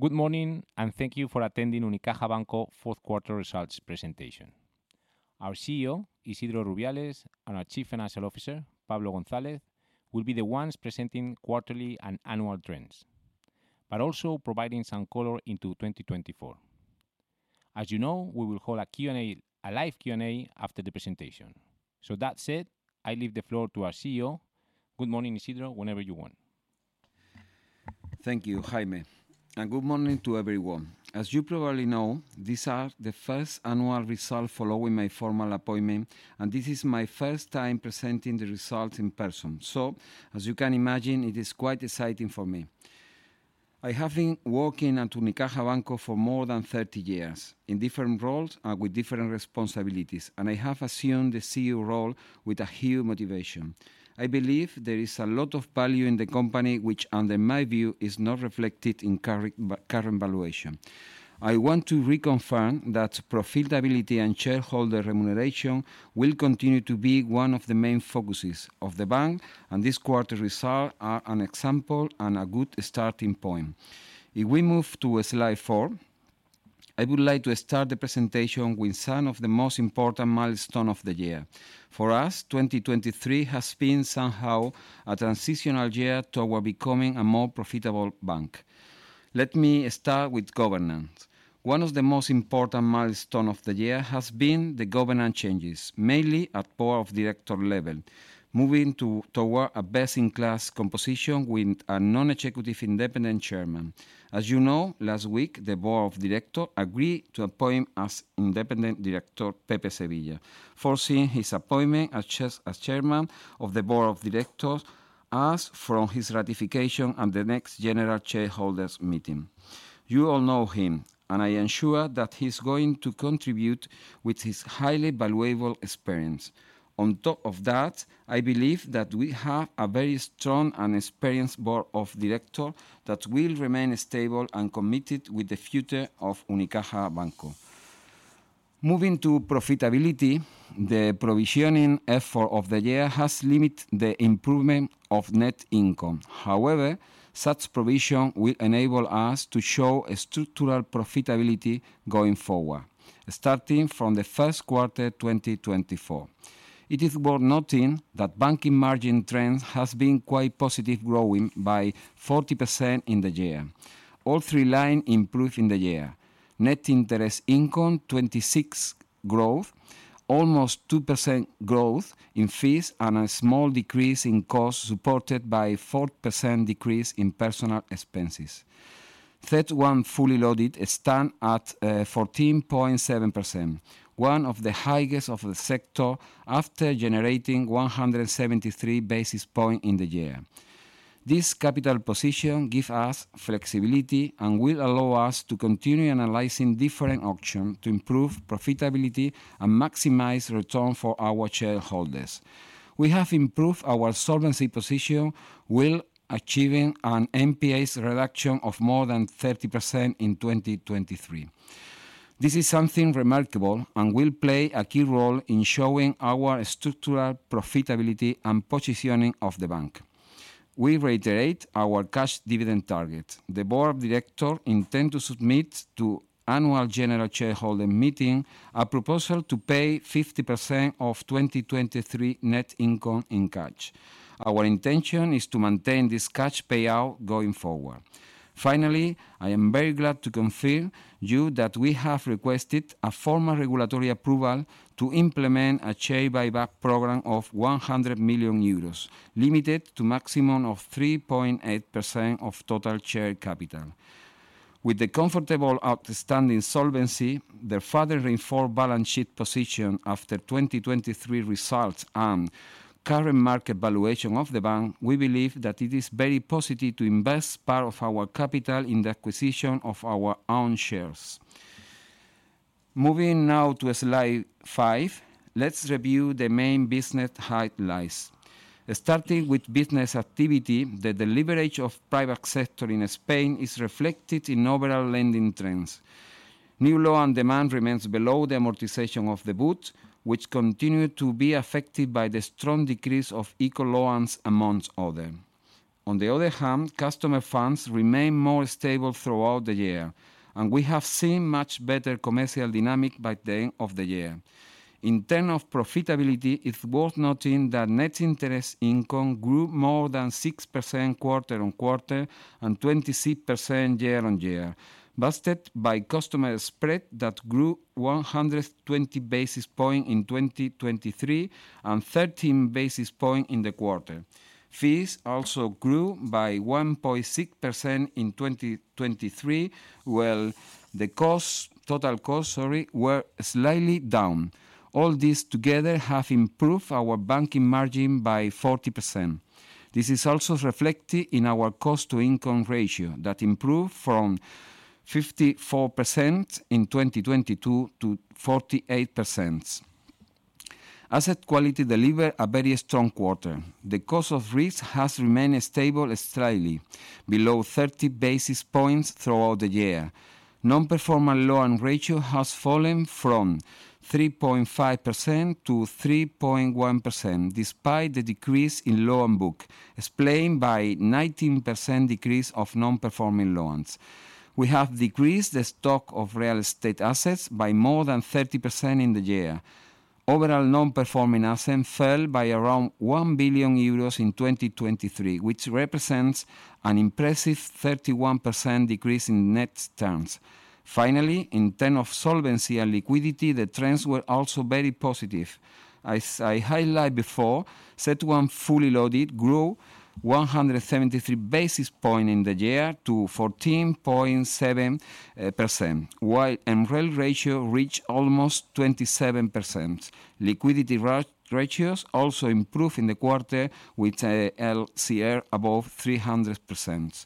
Good morning, and thank you for attending Unicaja Banco fourth quarter results presentation. Our CEO, Isidro Rubiales, and our Chief Financial Officer, Pablo González, will be the ones presenting quarterly and annual trends, but also providing some color into 2024. As you know, we will hold a Q&A, a live Q&A, after the presentation. So that said, I leave the floor to our CEO. Good morning, Isidro. Whenever you want. Thank you, Jaime, and good morning to everyone. As you probably know, these are the first annual results following my formal appointment, and this is my first time presenting the results in person. So, as you can imagine, it is quite exciting for me. I have been working at Unicaja Banco for more than 30 years in different roles and with different responsibilities, and I have assumed the CEO role with a huge motivation. I believe there is a lot of value in the company, which, under my view, is not reflected in current valuation. I want to reconfirm that profitability and shareholder remuneration will continue to be one of the main focuses of the bank, and this quarter results are an example and a good starting point. If we move to slide four, I would like to start the presentation with some of the most important milestone of the year. For us, 2023 has been somehow a transitional year toward becoming a more profitable bank. Let me start with governance. One of the most important milestone of the year has been the governance changes, mainly at board of directors level, moving toward a best-in-class composition with a non-executive independent chairman. As you know, last week, the board of directors agreed to appoint as independent director, Pepe Sevilla, foreseeing his appointment as chair, as chairman of the board of directors, as from his ratification at the next General Shareholders' Meeting. You all know him, and I am sure that he's going to contribute with his highly valuable experience. On top of that, I believe that we have a very strong and experienced board of directors that will remain stable and committed with the future of Unicaja Banco. Moving to profitability, the provisioning effort of the year has limited the improvement of net income. However, such provision will enable us to show a structural profitability going forward, starting from the first quarter 2024. It is worth noting that banking margin trend has been quite positive, growing by 40% in the year. All three lines improved in the year. Net interest income 26% growth, almost 2% growth in fees, and a small decrease in costs, supported by 4% decrease in personnel expenses. CET1 fully loaded stands at 14.7%, one of the highest of the sector after generating 173 basis points in the year. This capital position give us flexibility and will allow us to continue analyzing different options to improve profitability and maximize return for our shareholders. We have improved our solvency position, while achieving an NPAs reduction of more than 30% in 2023. This is something remarkable and will play a key role in showing our structural profitability and positioning of the bank. We reiterate our cash dividend target. The Board of Directors intend to submit to annual general shareholder meeting a proposal to pay 50% of 2023 net income in cash. Our intention is to maintain this cash payout going forward. Finally, I am very glad to confirm you that we have requested a formal regulatory approval to implement a share buyback program of 100 million euros, limited to maximum of 3.8% of total share capital. With the comfortable outstanding solvency, the further reinforced balance sheet position after 2023 results, and current market valuation of the bank, we believe that it is very positive to invest part of our capital in the acquisition of our own shares. Moving now to slide five, let's review the main business highlights. Starting with business activity, the deleveraging of private sector in Spain is reflected in overall lending trends. New loan demand remains below the amortization of the book, which continued to be affected by the strong decrease of ICO loans, among other. On the other hand, customer funds remain more stable throughout the year, and we have seen much better commercial dynamic by the end of the year. In terms of profitability, it's worth noting that net interest income grew more than 6% quarter-on-quarter and 26% year-on-year, boosted by customer spread that grew 120 basis point in 2023, and 13 basis point in the quarter. Fees also grew by 1.6% in 2023, while the costs, total costs, sorry, were slightly down. All this together have improved our banking margin by 40%. This is also reflected in our cost-to-income ratio, that improved from 54% in 2022 to 48%. Asset quality delivered a very strong quarter. The cost of risk has remained stable, slightly below 30 basis points throughout the year. Non-performing loan ratio has fallen from 3.5% to 3.1%, despite the decrease in loan book.... explained by 19% decrease of non-performing loans. We have decreased the stock of real estate assets by more than 30% in the year. Overall, non-performing assets fell by around 1 billion euros in 2023, which represents an impressive 31% decrease in net terms. Finally, in terms of solvency and liquidity, the trends were also very positive. As I highlighted before, CET1 fully loaded grew 173 basis points in the year to 14.7%, while MREL ratio reached almost 27%. Liquidity ratios also improved in the quarter, with LCR above 300%.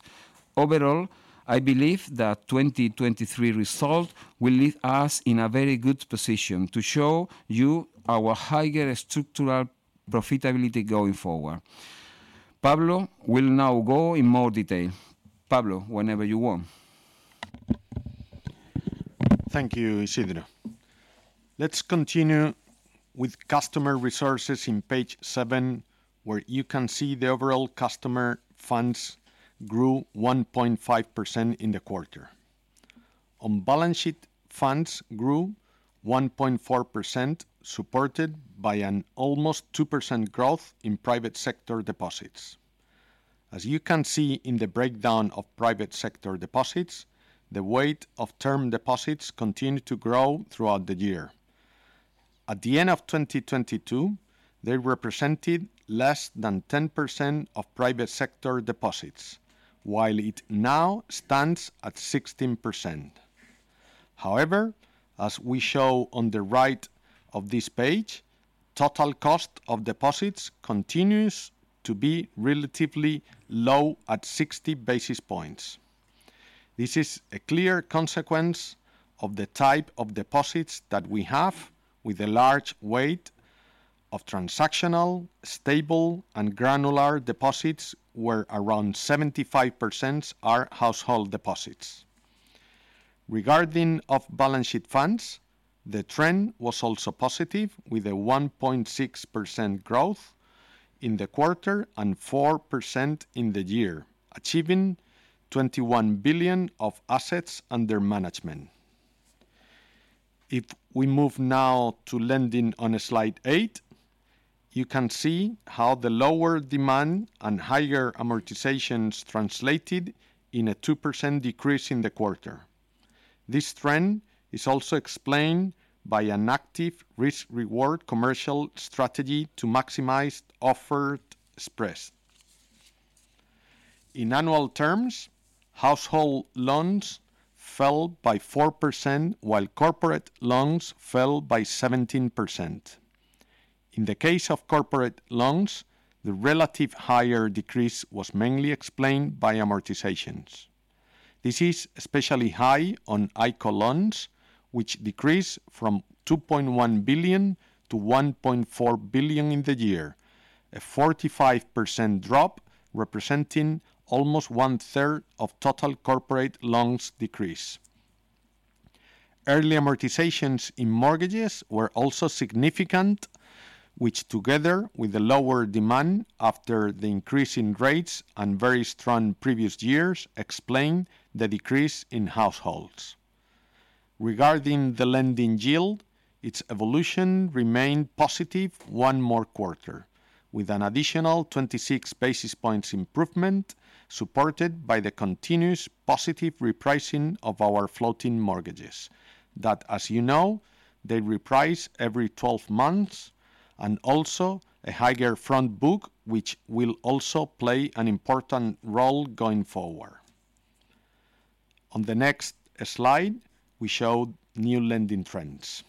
Overall, I believe that 2023 result will leave us in a very good position to show you our higher structural profitability going forward. Pablo will now go in more detail. Pablo, whenever you want. Thank you, Isidro. Let's continue with customer resources in page 7, where you can see the overall customer funds grew 1.5% in the quarter. On-balance sheet funds grew 1.4%, supported by an almost 2% growth in private sector deposits. As you can see in the breakdown of private sector deposits, the weight of term deposits continued to grow throughout the year. At the end of 2022, they represented less than 10% of private sector deposits, while it now stands at 16%. However, as we show on the right of this page, total cost of deposits continues to be relatively low at 60 basis points. This is a clear consequence of the type of deposits that we have, with a large weight of transactional, stable, and granular deposits, where around 75% are household deposits. Regarding off-balance sheet funds, the trend was also positive, with a 1.6% growth in the quarter and 4% in the year, achieving 21 billion of assets under management. If we move now to lending on slide eight, you can see how the lower demand and higher amortizations translated in a 2% decrease in the quarter. This trend is also explained by an active risk-reward commercial strategy to maximize offered spreads. In annual terms, household loans fell by 4%, while corporate loans fell by 17%. In the case of corporate loans, the relative higher decrease was mainly explained by amortizations. This is especially high on ICO loans, which decreased from 2.1 billion to 1.4 billion in the year, a 45% drop, representing almost one-third of total corporate loans decrease. Early amortizations in mortgages were also significant, which, together with the lower demand after the increase in rates and very strong previous years, explain the decrease in households. Regarding the lending yield, its evolution remained positive one more quarter, with an additional 26 basis points improvement, supported by the continuous positive repricing of our floating mortgages, that, as you know, they reprice every 12 months, and also a higher front book, which will also play an important role going forward. On the next slide, we show new lending trends.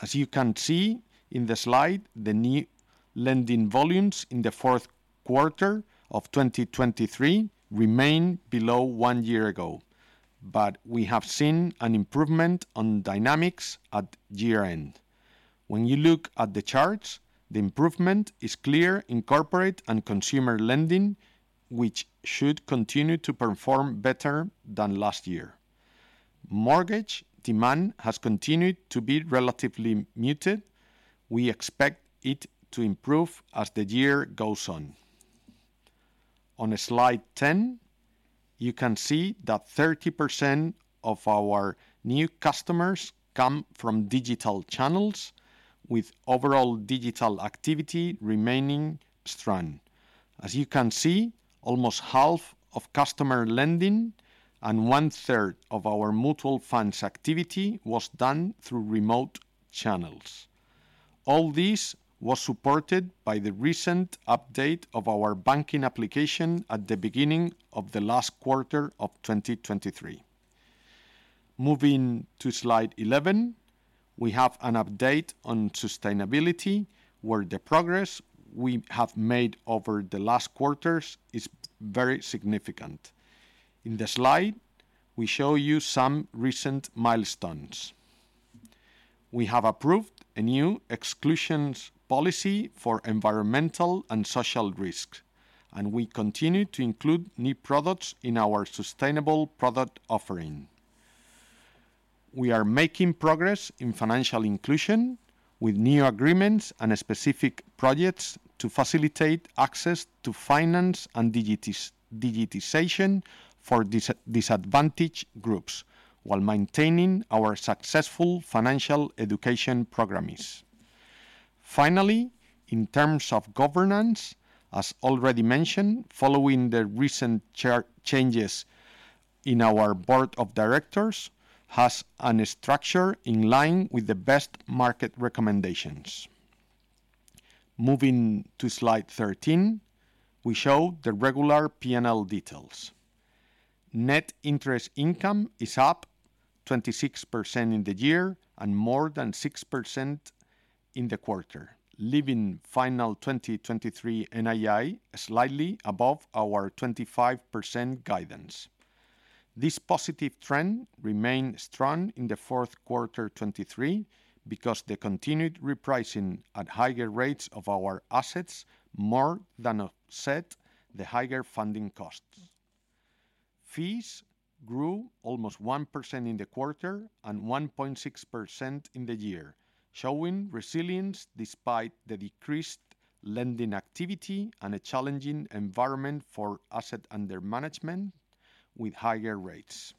As you can see in the slide, the new lending volumes in the fourth quarter of 2023 remain below one year ago, but we have seen an improvement on dynamics at year-end. When you look at the charts, the improvement is clear in corporate and consumer lending, which should continue to perform better than last year. Mortgage demand has continued to be relatively muted. We expect it to improve as the year goes on. On slide 10, you can see that 30% of our new customers come from digital channels, with overall digital activity remaining strong. As you can see, almost half of customer lending and one-third of our mutual funds activity was done through remote channels. All this was supported by the recent update of our banking application at the beginning of the last quarter of 2023. Moving to slide 11, we have an update on sustainability, where the progress we have made over the last quarters is very significant. In the slide, we show you some recent milestones. We have approved a new exclusions policy for environmental and social risk, and we continue to include new products in our sustainable product offering.... We are making progress in financial inclusion with new agreements and specific projects to facilitate access to finance and digitization for disadvantaged groups, while maintaining our successful financial education programs. Finally, in terms of governance, as already mentioned, following the recent chair changes in our board of directors, has a structure in line with the best market recommendations. Moving to slide 13, we show the regular P&L details. Net interest income is up 26% in the year and more than 6% in the quarter, leaving final 2023 NII slightly above our 25% guidance. This positive trend remained strong in the fourth quarter 2023 because the continued repricing at higher rates of our assets more than offset the higher funding costs. Fees grew almost 1% in the quarter and 1.6% in the year, showing resilience despite the decreased lending activity and a challenging environment for asset under management with higher rates.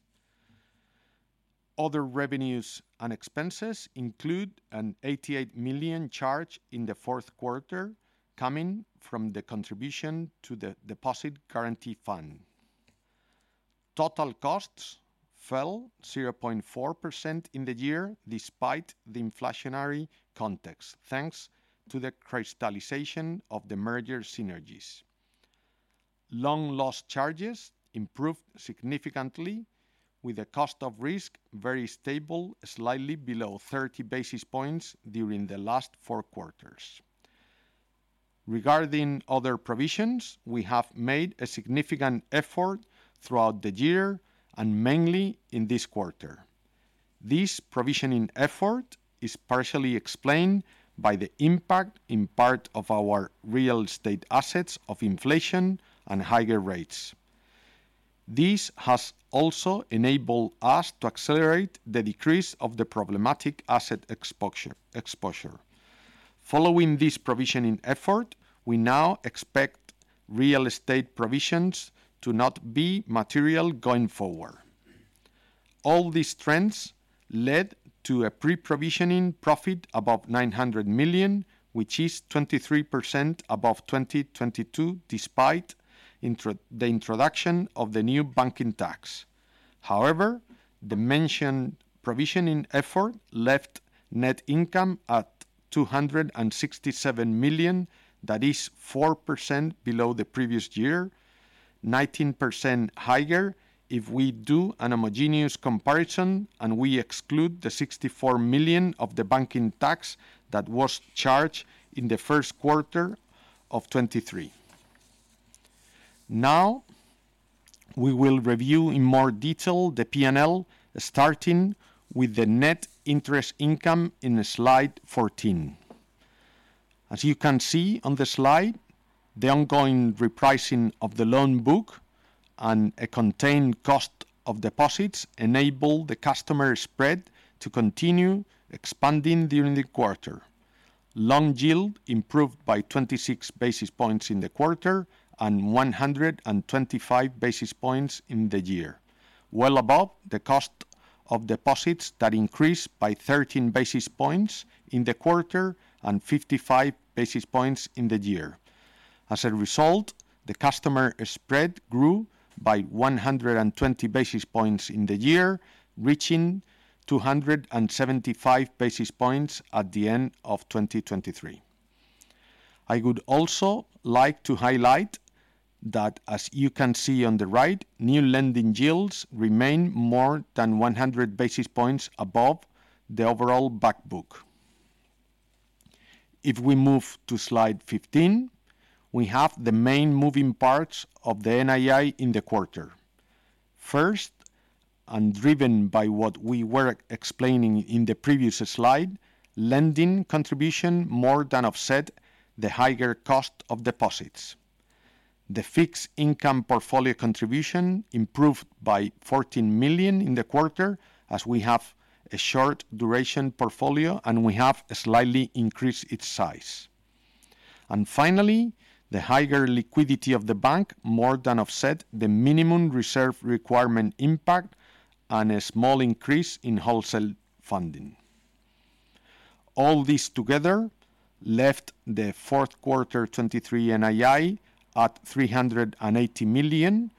Other revenues and expenses include an 88 million charge in the fourth quarter, coming from the contribution to the Deposit Guarantee Fund. Total costs fell 0.4% in the year, despite the inflationary context, thanks to the crystallization of the merger synergies. Loan loss charges improved significantly, with the cost of risk very stable, slightly below 30 basis points during the last four quarters. Regarding other provisions, we have made a significant effort throughout the year and mainly in this quarter. This provisioning effort is partially explained by the impact in part of our real estate assets of inflation and higher rates. This has also enabled us to accelerate the decrease of the problematic asset exposure. Following this provisioning effort, we now expect real estate provisions to not be material going forward. All these trends led to a pre-provisioning profit above 900 million, which is 23% above 2022, despite the introduction of the new banking tax. However, the mentioned provisioning effort left net income at 267 million, that is 4% below the previous year, 19% higher if we do a homogeneous comparison, and we exclude the 64 million of the banking tax that was charged in the first quarter of 2023. Now, we will review in more detail the P&L, starting with the net interest income in slide 14. As you can see on the slide, the ongoing repricing of the loan book and a contained cost of deposits enabled the customer spread to continue expanding during the quarter. Loan yield improved by 26 basis points in the quarter and 125 basis points in the year, well above the cost of deposits that increased by 13 basis points in the quarter and 55 basis points in the year. As a result, the customer spread grew by 120 basis points in the year, reaching 275 basis points at the end of 2023. I would also like to highlight that, as you can see on the right, new lending yields remain more than 100 basis points above the overall back book. If we move to slide 15, we have the main moving parts of the NII in the quarter. First, driven by what we were explaining in the previous slide, lending contribution more than offset the higher cost of deposits. The fixed income portfolio contribution improved by 14 million in the quarter, as we have a short-duration portfolio, and we have slightly increased its size. Finally, the higher liquidity of the bank more than offset the minimum reserve requirement impact and a small increase in wholesale funding. All this together left the fourth quarter 2023 NII at 380 million.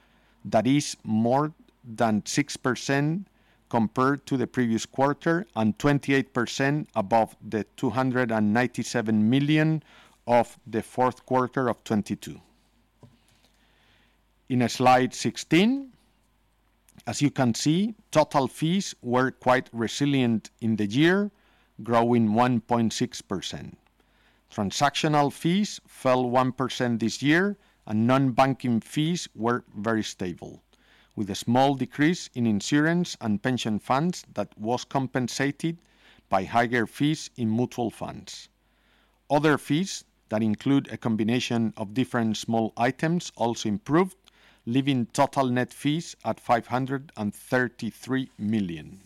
That is more than 6% compared to the previous quarter and 28% above the 297 million of the fourth quarter of 2022. In slide 16, as you can see, total fees were quite resilient in the year, growing 1.6%. Transactional fees fell 1% this year, and non-banking fees were very stable, with a small decrease in insurance and pension funds that was compensated by higher fees in mutual funds. Other fees that include a combination of different small items also improved, leaving total net fees at 533 million.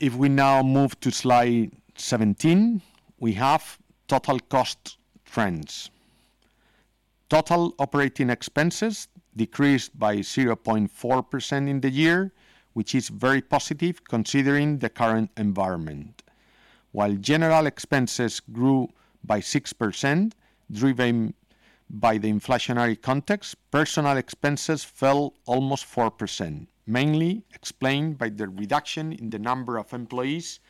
If we now move to slide 17, we have total cost trends. Total operating expenses decreased by 0.4% in the year, which is very positive considering the current environment. While general expenses grew by 6%, driven by the inflationary context, personal expenses fell almost 4%, mainly explained by the reduction in the number of employees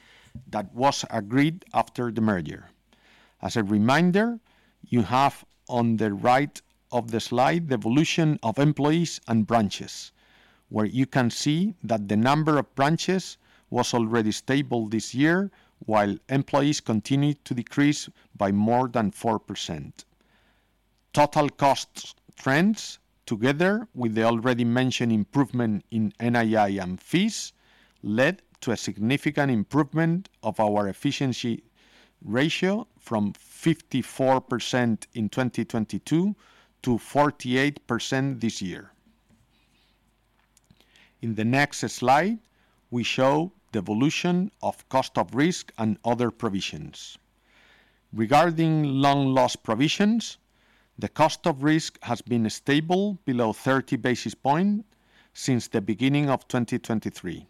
that was agreed after the merger. As a reminder, you have, on the right of the slide, the evolution of employees and branches, where you can see that the number of branches was already stable this year, while employees continued to decrease by more than 4%. Total cost trends, together with the already mentioned improvement in NII and fees, led to a significant improvement of our efficiency ratio from 54% in 2022 to 48% this year. In the next slide, we show the evolution of cost of risk and other provisions. Regarding loan loss provisions, the cost of risk has been stable below 30 basis points since the beginning of 2023.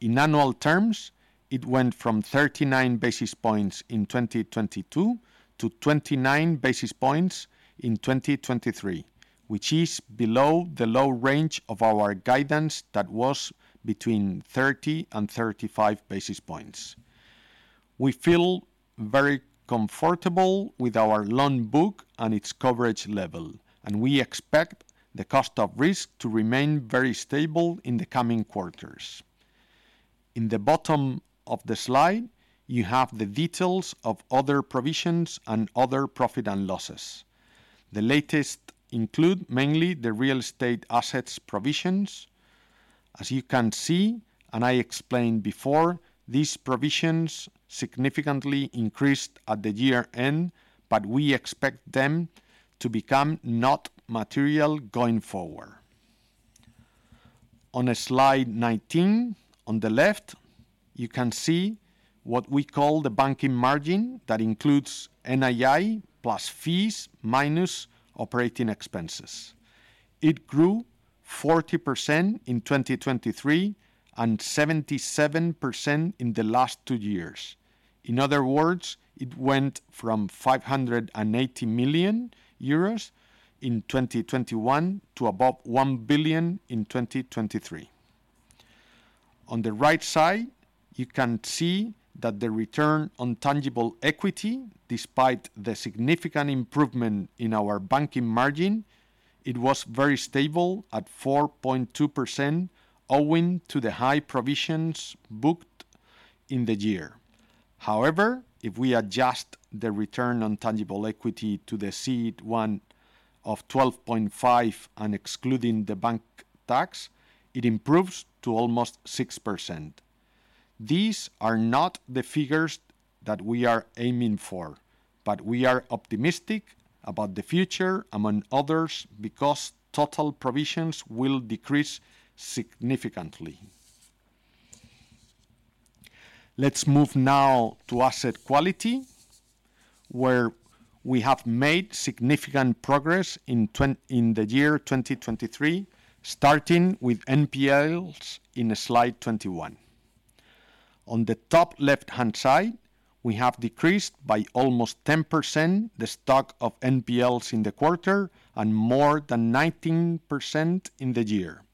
In annual terms, it went from 39 basis points in 2022 to 29 basis points in 2023, which is below the low range of our guidance that was between 30 and 35 basis points. We feel very comfortable with our loan book and its coverage level, and we expect the cost of risk to remain very stable in the coming quarters. In the bottom of the slide, you have the details of other provisions and other profit and loss. The latter include mainly the real estate assets provisions. As you can see, and I explained before, these provisions significantly increased at the year-end, but we expect them to become not material going forward. On slide 19, on the left, you can see what we call the banking margin. That includes NII plus fees minus operating expenses. It grew 40% in 2023, and 77% in the last two years. In other words, it went from 580 million euros in 2021 to above 1 billion in 2023. On the right side, you can see that the return on tangible equity, despite the significant improvement in our banking margin, it was very stable at 4.2%, owing to the high provisions booked in the year. However, if we adjust the return on tangible equity to the CET1 of 12.5 and excluding the bank tax, it improves to almost 6%. These are not the figures that we are aiming for, but we are optimistic about the future, among others, because total provisions will decrease significantly. Let's move now to asset quality, where we have made significant progress. In the year 2023, starting with NPLs in slide 21. On the top left-hand side, we have decreased by almost 10% the stock of NPLs in the quarter, and more than 19% in the year.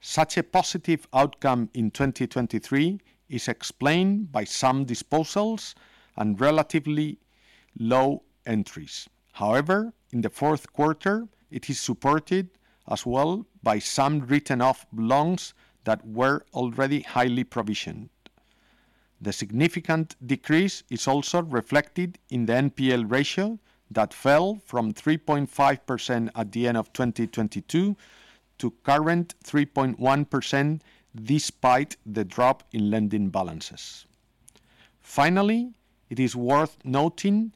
Such a positive outcome in 2023 is explained by some disposals and relatively low entries. However, in the fourth quarter, it is supported as well by some written-off loans that were already highly provisioned. The significant decrease is also reflected in the NPL ratio, that fell from 3.5% at the end of 2022 to current 3.1%, despite the drop in lending balances. Finally, it is worth noting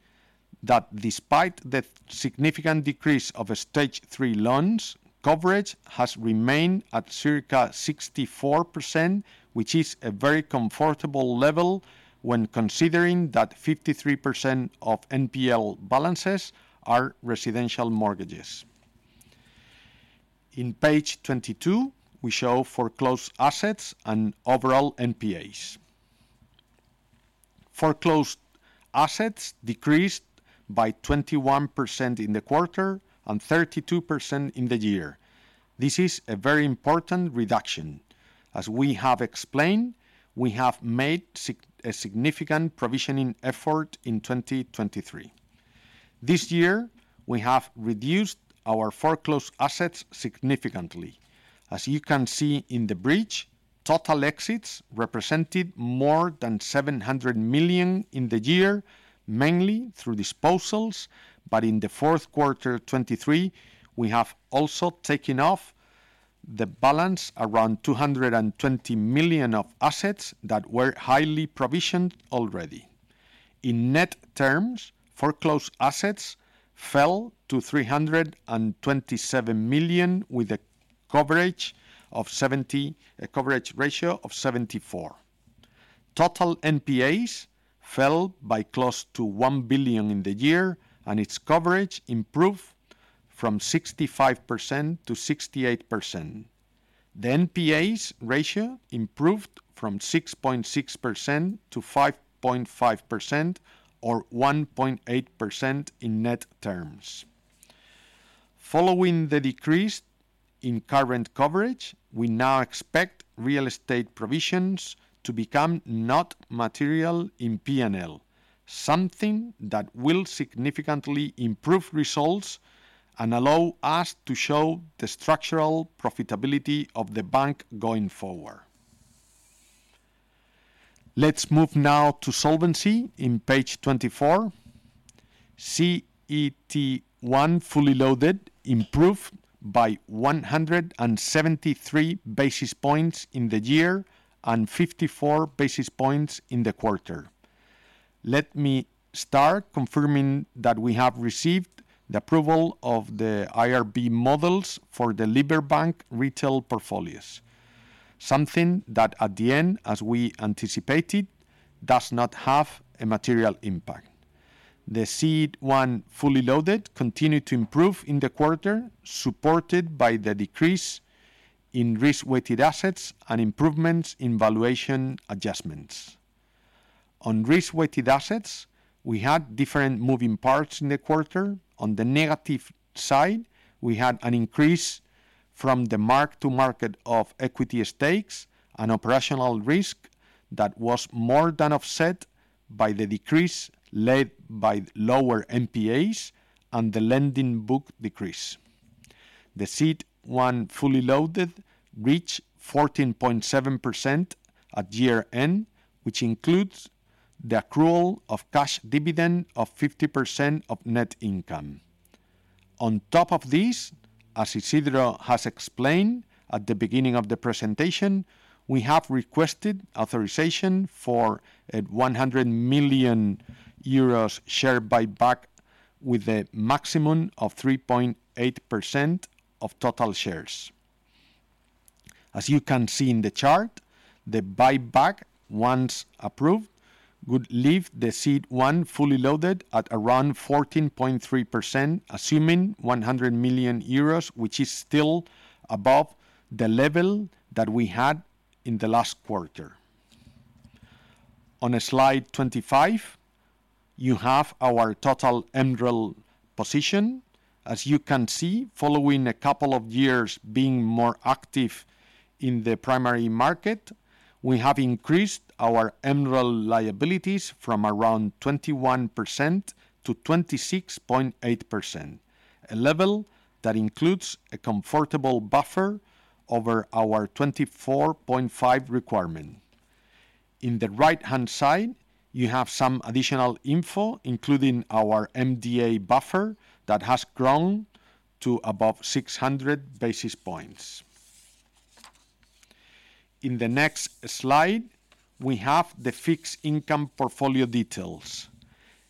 that despite the significant decrease of Stage Three loans, coverage has remained at circa 64%, which is a very comfortable level when considering that 53% of NPL balances are residential mortgages. In page 22, we show foreclosed assets and overall NPAs. Foreclosed assets decreased by 21% in the quarter and 32% in the year. This is a very important reduction. As we have explained, we have made a significant provisioning effort in 2023. This year, we have reduced our foreclosed assets significantly. As you can see in the bridge, total exits represented more than 700 million in the year, mainly through disposals, but in the fourth quarter of 2023, we have also taken the balance around 220 million of assets that were highly provisioned already. In net terms, foreclosed assets fell to 327 million, with a coverage ratio of 74%. Total NPAs fell by close to 1 billion in the year, and its coverage improved from 65% to 68%. The NPAs ratio improved from 6.6% to 5.5%, or 1.8% in net terms. Following the decrease in current coverage, we now expect real estate provisions to become not material in P&L, something that will significantly improve results and allow us to show the structural profitability of the bank going forward. Let's move now to solvency in page 24. CET1 fully loaded improved by 173 basis points in the year and 54 basis points in the quarter. Let me start confirming that we have received the approval of the IRB models for the Liberbank retail portfolios, something that at the end, as we anticipated, does not have a material impact. The CET1 fully loaded continued to improve in the quarter, supported by the decrease in risk-weighted assets and improvements in valuation adjustments. On risk-weighted assets, we had different moving parts in the quarter. On the negative side, we had an increase from the mark-to-market of equity stakes and operational risk that was more than offset by the decrease led by lower NPAs and the lending book decrease. The CET1 fully loaded reached 14.7% at year-end, which includes the accrual of cash dividend of 50% of net income. On top of this, as Isidro has explained at the beginning of the presentation, we have requested authorization for a 100 million euros share buyback, with a maximum of 3.8% of total shares. As you can see in the chart, the buyback, once approved, would leave the CET1 fully loaded at around 14.3%, assuming 100 million euros, which is still above the level that we had in the last quarter. On slide 25, you have our total MREL position. As you can see, following a couple of years being more active in the primary market, we have increased our MREL liabilities from around 21% to 26.8%, a level that includes a comfortable buffer over our 24.5 requirement. In the right-hand side, you have some additional info, including our MDA buffer, that has grown to above 600 basis points. In the next slide, we have the fixed income portfolio details.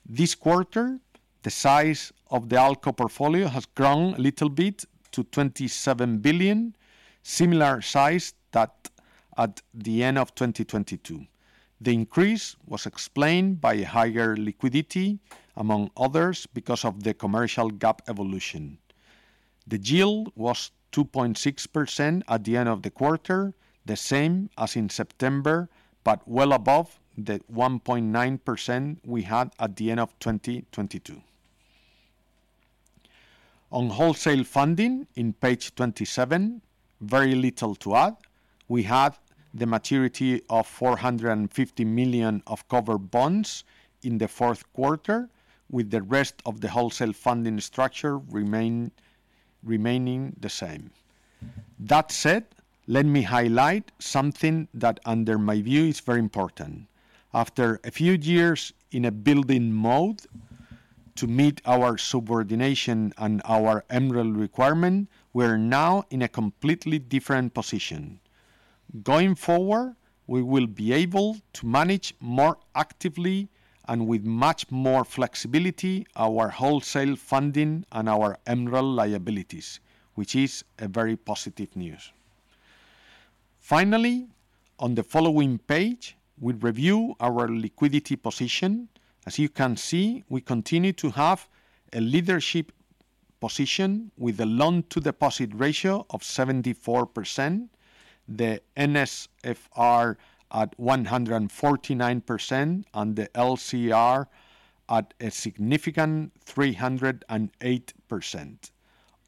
This quarter, the size of the ALCO portfolio has grown a little bit to 27 billion, similar size that at the end of 2022. The increase was explained by higher liquidity, among others, because of the commercial gap evolution. The yield was 2.6% at the end of the quarter, the same as in September, but well above the 1.9% we had at the end of 2022. On wholesale funding, in page 27, very little to add. We had the maturity of 450 million of covered bonds in the fourth quarter, with the rest of the wholesale funding structure remaining the same. That said, let me highlight something that, under my view, is very important. After a few years in a building mode to meet our subordination and our MREL requirement, we're now in a completely different position. Going forward, we will be able to manage more actively and with much more flexibility, our wholesale funding and our MREL liabilities, which is a very positive news. Finally, on the following page, we review our liquidity position. As you can see, we continue to have a leadership position with a loan-to-deposit ratio of 74%, the NSFR at 149%, and the LCR at a significant 308%.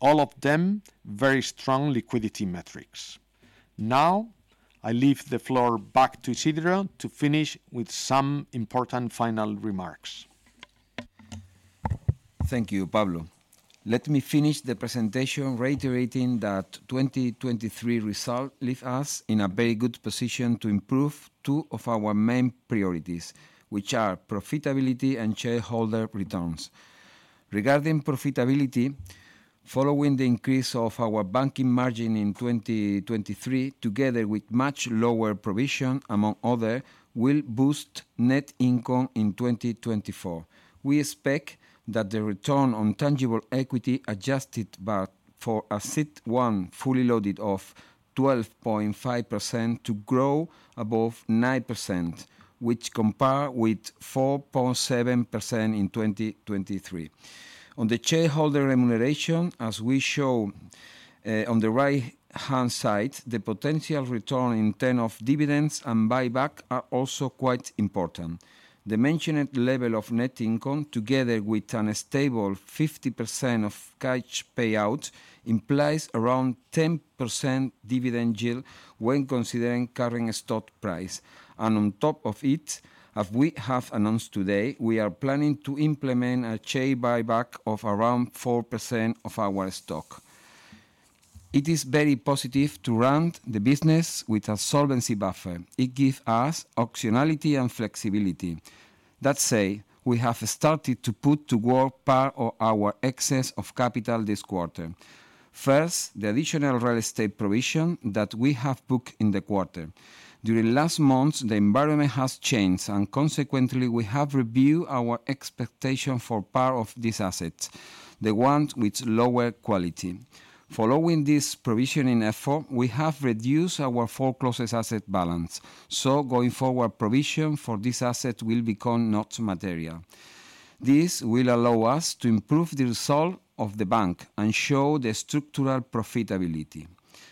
All of them, very strong liquidity metrics. Now, I leave the floor back to Isidro to finish with some important final remarks. Thank you, Pablo. Let me finish the presentation reiterating that 2023 results leave us in a very good position to improve two of our main priorities, which are profitability and shareholder returns. Regarding profitability, following the increase of our banking margin in 2023, together with much lower provisions, among others, will boost net income in 2024. We expect that the return on tangible equity adjusted, but for CET1 fully loaded of 12.5% to grow above 9%, which compares with 4.7% in 2023. On the shareholder remuneration, as we show on the right-hand side, the potential return in terms of dividends and buyback are also quite important. The mentioned level of net income, together with a stable 50% cash payout, implies around 10% dividend yield when considering current stock price. And on top of it, as we have announced today, we are planning to implement a share buyback of around 4% of our stock. It is very positive to run the business with a solvency buffer. It give us optionality and flexibility. That said, we have started to put to work part of our excess of capital this quarter. First, the additional real estate provision that we have booked in the quarter. During last months, the environment has changed, and consequently, we have reviewed our expectation for part of these assets, the ones with lower quality. Following this provisioning effort, we have reduced our foreclosed asset balance. So going forward, provision for this asset will become not material. This will allow us to improve the result of the bank and show the structural profitability.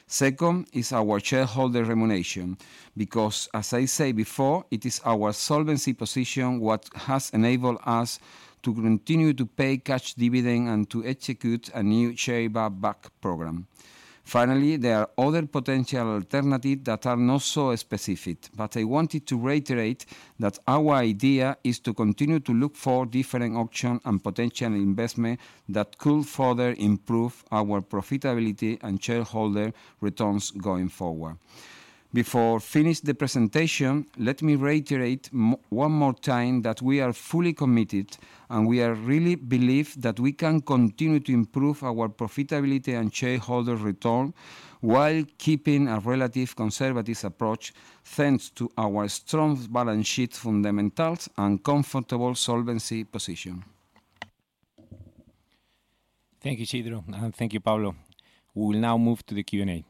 Second, is our shareholder remuneration, because as I said before, it is our solvency position what has enabled us to continue to pay cash dividend and to execute a new share buyback program. Finally, there are other potential alternative that are not so specific, but I wanted to reiterate that our idea is to continue to look for different option and potential investment that could further improve our profitability and shareholder returns going forward. Before finish the presentation, let me reiterate one more time that we are fully committed, and we are really believe that we can continue to improve our profitability and shareholder return, while keeping a relative conservative approach, thanks to our strong balance sheet fundamentals and comfortable solvency position. Thank you, Isidro, and thank you, Pablo. We will now move to the Q&A.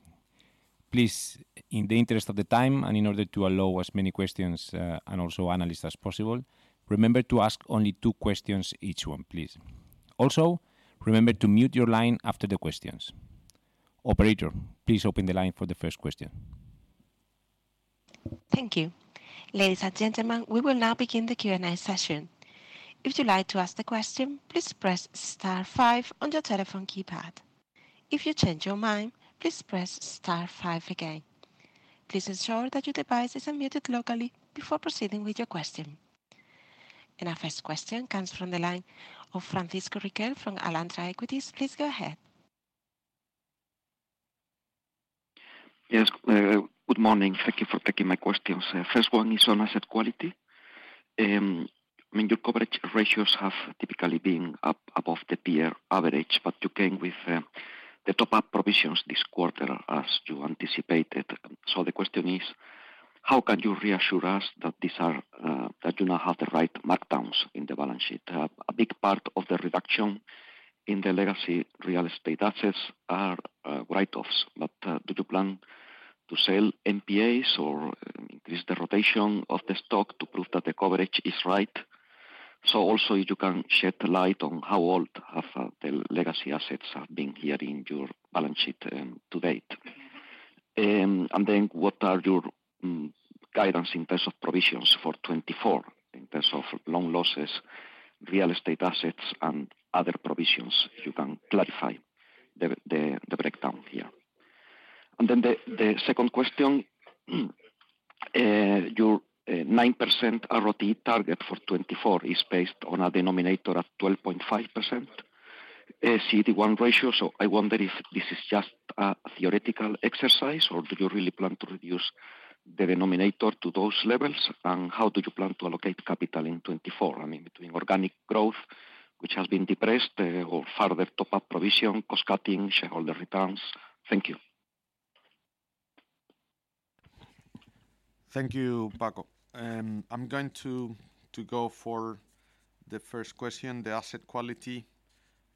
Please, in the interest of the time, and in order to allow as many questions and also analysts as possible, remember to ask only two questions, each one, please. Also, remember to mute your line after the questions. Operator, please open the line for the first question. Thank you. Ladies and gentlemen, we will now begin the Q&A session. If you'd like to ask the question, please press star five on your telephone keypad. If you change your mind, please press star five again. Please ensure that your device is unmuted locally before proceeding with your question. Our first question comes from the line of Francisco Riquel from Alantra Equities. Please go ahead. Yes, good morning. Thank you for taking my questions. First one is on asset quality. I mean, your coverage ratios have typically been up above the peer average, but you came with the top-up provisions this quarter, as you anticipated. So the question is: How can you reassure us that these are that you now have the right markdowns in the balance sheet? A big part of the reduction in the legacy real estate assets are write-offs, but do you plan to sell NPAs or increase the rotation of the stock to prove that the coverage is right? So also, if you can shed light on how old have the legacy assets have been here in your balance sheet to date. And then what are your guidance in terms of provisions for 2024, in terms of loan losses, real estate assets, and other provisions, if you can clarify the, the, the breakdown here? And then the second question, your nine percent ROTE target for 2024 is based on a denominator of twelve point five percent CET1 ratio. I wonder if this is just a theoretical exercise, or do you really plan to reduce the denominator to those levels? And how do you plan to allocate capital in 2024? I mean, between organic growth, which has been depressed, or further top-up provision, cost-cutting, shareholder returns. Thank you. Thank you, Paco. I'm going to go for the first question, the asset quality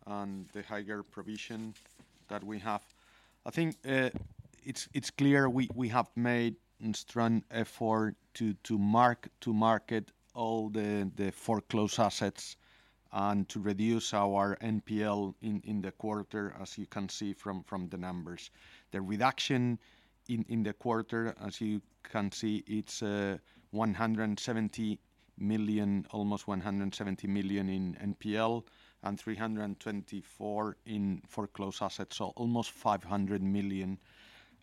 and the higher provision that we have. I think it's clear we have made a strong effort to mark to market all the foreclosed assets and to reduce our NPL in the quarter, as you can see from the numbers. The reduction in the quarter, as you can see, it's 170 million, almost 170 million in NPL and 324 million in foreclosed assets, so almost 500 million,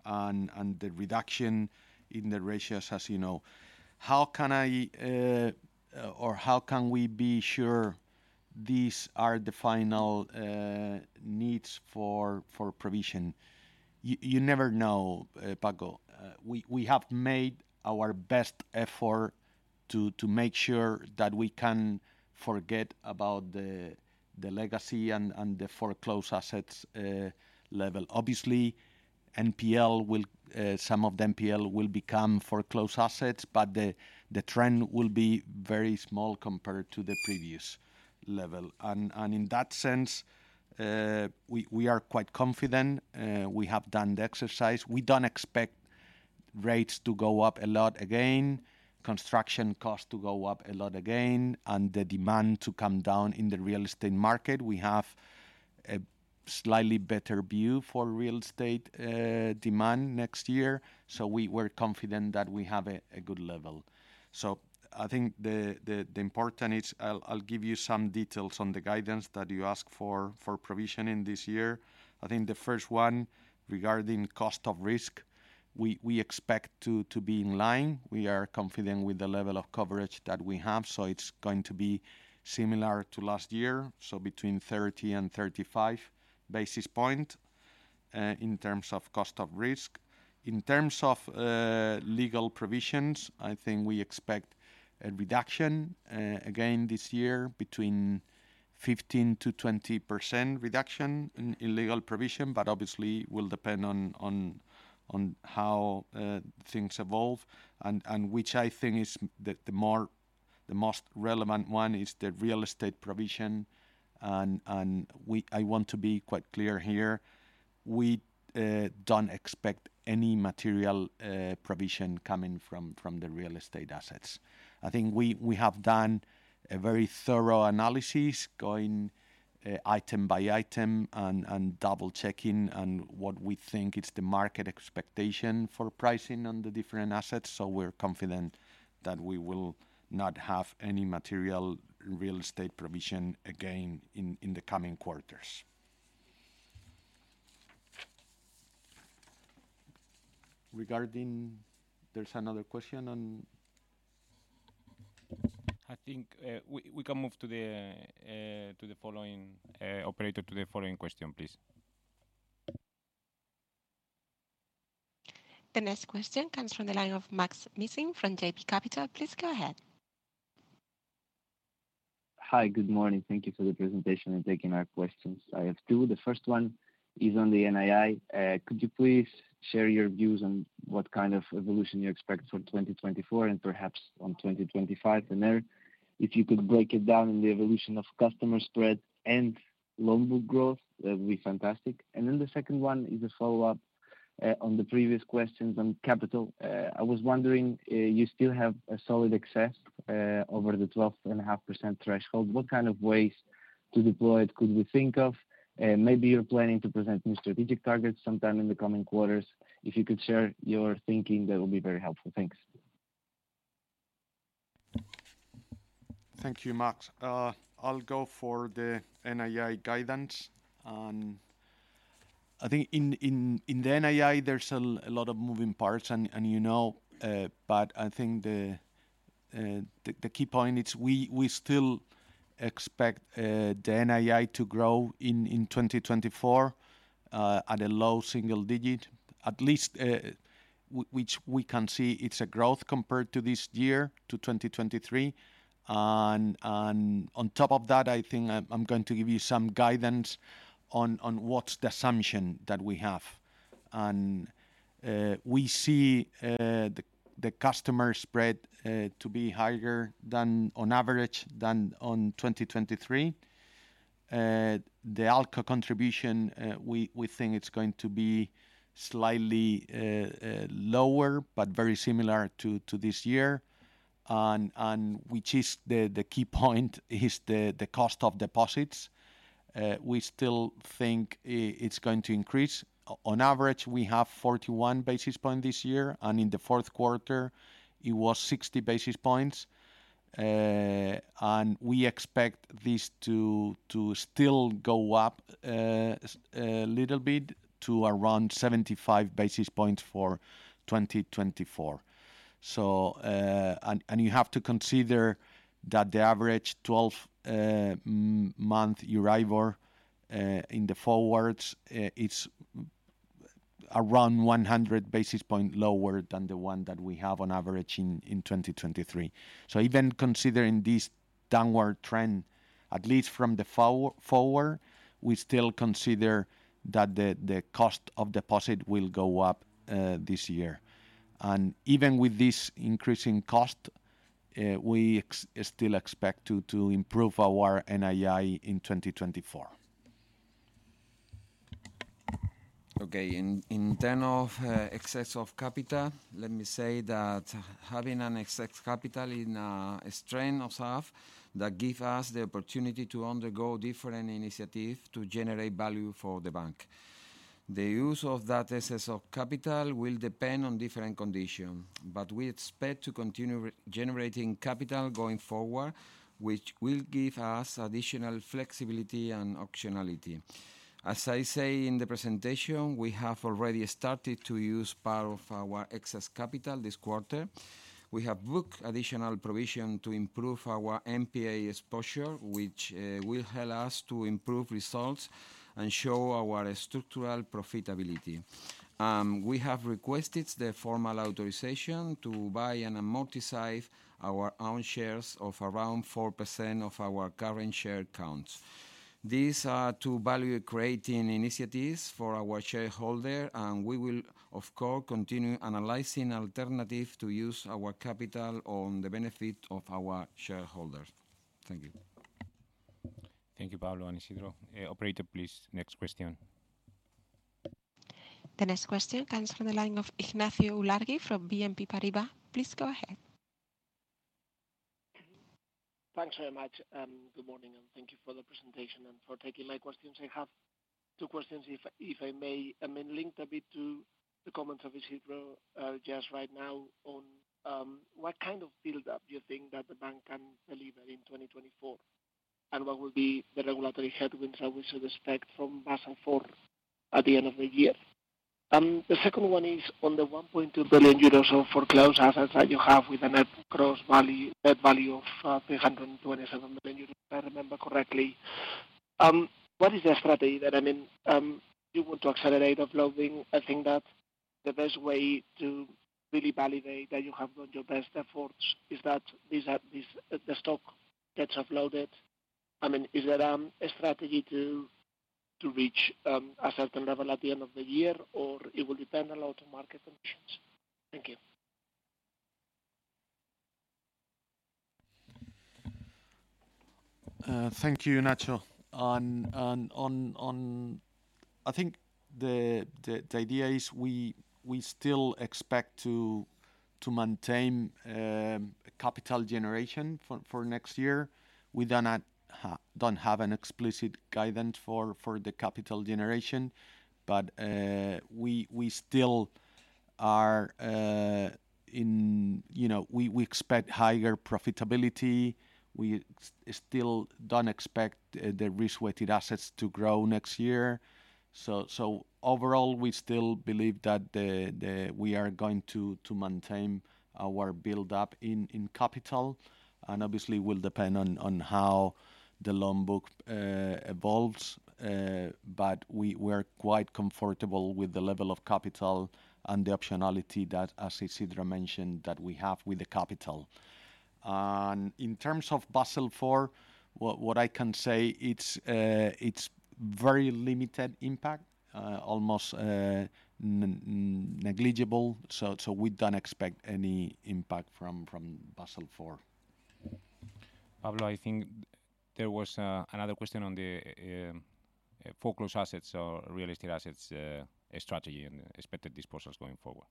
and the reduction in the ratios, as you know. H ow can I or how can we be sure these are the final needs for provision? You never know, Paco. We have made our best effort to make sure that we can forget about the legacy and the foreclosed assets level. Obviously, some of the NPL will become foreclosed assets, but the trend will be very small compared to the previous level. And in that sense, we are quite confident. We have done the exercise. We don't expect rates to go up a lot again, construction costs to go up a lot again, and the demand to come down in the real estate market. We have a slightly better view for real estate demand next year, so we're confident that we have a good level. So I think the important is—I'll give you some details on the guidance that you asked for, for provisioning this year. I think the first one, regarding cost of risk, we expect to be in line. We are confident with the level of coverage that we have, so it's going to be similar to last year, so between 30 and 35 basis points in terms of cost of risk. In terms of legal provisions, I think we expect a reduction again this year, between 15%-20% reduction in legal provision, but obviously will depend on how things evolve, and which I think is the more, the most relevant one is the real estate provision. I want to be quite clear here, we don't expect any material provision coming from the real estate assets. I think we have done a very thorough analysis, going item by item and double-checking on what we think is the market expectation for pricing on the different assets, so we're confident that we will not have any material real estate provision again in the coming quarters. Regarding... There's another question on- I think we can move to the following operator to the following question, please. The next question comes from the line of Maksym Mishyn from JB Capital. Please go ahead. Hi. Good morning. Thank you for the presentation and taking our questions. I have two. The first one is on the NII. Could you please share your views on what kind of evolution you expect for 2024, and perhaps on 2025? And then if you could break it down in the evolution of customer spread and loan book growth, that'd be fantastic. And then the second one is a follow-up on the previous questions on capital. I was wondering, you still have a solid excess over the 12.5% threshold. What kind of ways to deploy it could we think of? And maybe you're planning to present new strategic targets sometime in the coming quarters. If you could share your thinking, that would be very helpful. Thanks. Thank you, Max. I'll go for the NII guidance. I think in the NII, there's a lot of moving parts, and you know, but I think the key point is we still expect the NII to grow in 2024, at a low single digit, at least, which we can see it's a growth compared to this year, to 2023. And on top of that, I think I'm going to give you some guidance on what's the assumption that we have. And we see the customer spread to be higher than on average, than on 2023. The ALCO contribution, we think it's going to be slightly lower, but very similar to this year. And which is the key point, is the cost of deposits. We still think it's going to increase. On average, we have 41 basis points this year, and in the fourth quarter, it was 60 basis points. And we expect this to still go up a little bit, to around 75 basis points for 2024. So, and you have to consider that the average twelve-month Euribor in the forwards it's around 100 basis points lower than the one that we have on average in 2023. So even considering this downward trend, at least from the forwards, we still consider that the cost of deposits will go up this year. Even with this increasing cost, we still expect to improve our NII in 2024. Okay, in terms of excess of capital, let me say that having an excess capital is a strength of ours that give us the opportunity to undergo different initiatives to generate value for the bank. The use of that excess of capital will depend on different conditions, but we expect to continue regenerating capital going forward, which will give us additional flexibility and optionality. As I say in the presentation, we have already started to use part of our excess capital this quarter. We have booked additional provision to improve our NPA exposure, which will help us to improve results and show our structural profitability. We have requested the formal authorization to buy and amortize our own shares of around 4% of our current share counts. These are two value-creating initiatives for our shareholder, and we will, of course, continue analyzing alternatives to use our capital on the benefit of our shareholders. Thank you. Thank you, Pablo and Isidro. Operator, please, next question. The next question comes from the line of Ignacio Ulargui from BNP Paribas. Please go ahead. Thanks very much, and good morning, and thank you for the presentation and for taking my questions. I have two questions, if I may. I'm linked a bit to the comments of Isidro just right now on what kind of build-up do you think that the bank can deliver in 2024? And what will be the regulatory headwinds that we should expect from Basel IV at the end of the year? The second one is on the 1.2 billion euros of foreclosed assets that you have with a net gross value, net value of 327 million euros, if I remember correctly. What is the strategy that, I mean, you want to accelerate uploading? I think that the best way to really validate that you have done your best efforts is that this, the stock gets offloaded. I mean, is there a strategy to reach a certain level at the end of the year, or it will depend a lot on market conditions? Thank you. Thank you, Ignacio. I think the idea is we still expect to maintain capital generation for next year. We don't have an explicit guidance for the capital generation, but we still are. You know, we expect higher profitability. We still don't expect the risk-weighted assets to grow next year. So overall, we still believe that we are going to maintain our build-up in capital, and obviously will depend on how the loan book evolves. But we're quite comfortable with the level of capital and the optionality that, as Isidro mentioned, that we have with the capital. In terms of Basel IV, what I can say, it's very limited impact, almost negligible, so we don't expect any impact from Basel IV. Pablo, I think there was another question on the foreclosed assets or real estate assets strategy and expected disposals going forward.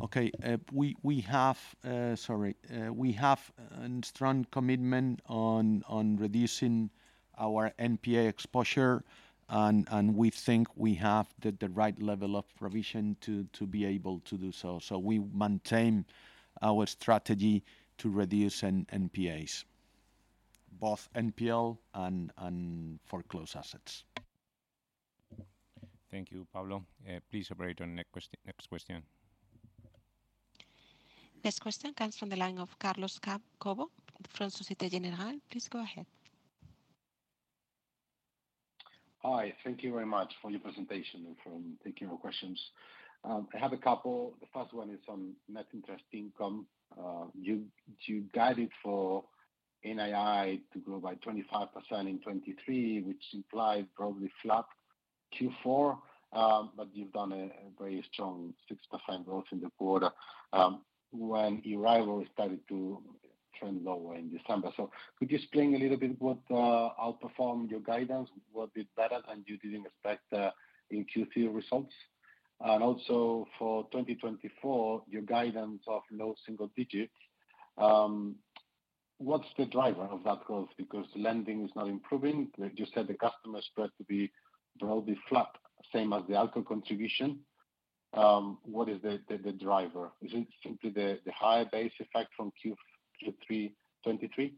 Okay. We have a strong commitment on reducing our NPA exposure, and we think we have the right level of provision to be able to do so. So we maintain our strategy to reduce NPAs, both NPL and foreclosed assets. Thank you, Pablo. Please, operator, next question. Next question comes from the line of Carlos Cobo from Société Générale. Please go ahead. Hi, thank you very much for your presentation and for taking our questions. I have a couple. The first one is on net interest income. You guided for NII to grow by 25% in 2023, which implies probably flat Q4. But you've done a very strong 6% growth in the quarter, when Euribor started to trend lower in December. So could you explain a little bit what outperformed your guidance? What did better than you didn't expect in Q3 results? And also for 2024, your guidance of low single digits, what's the driver of that growth? Because lending is not improving. You said the customer spread to be probably flat, same as the ALCO contribution. What is the driver? Is it simply the higher base effect from Q3 2023?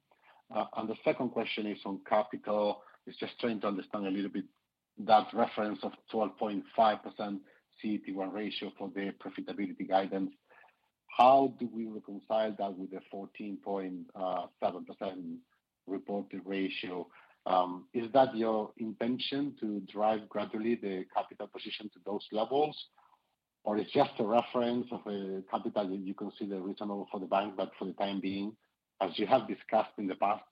And the second question is on capital. It's just trying to understand a little bit that reference of 12.5% CET1 ratio for the profitability guidance. How do we reconcile that with the 14.7% reported ratio? Is that your intention to drive gradually the capital position to those levels? Or it's just a reference of a capital that you consider reasonable for the bank, but for the time being, as you have discussed in the past,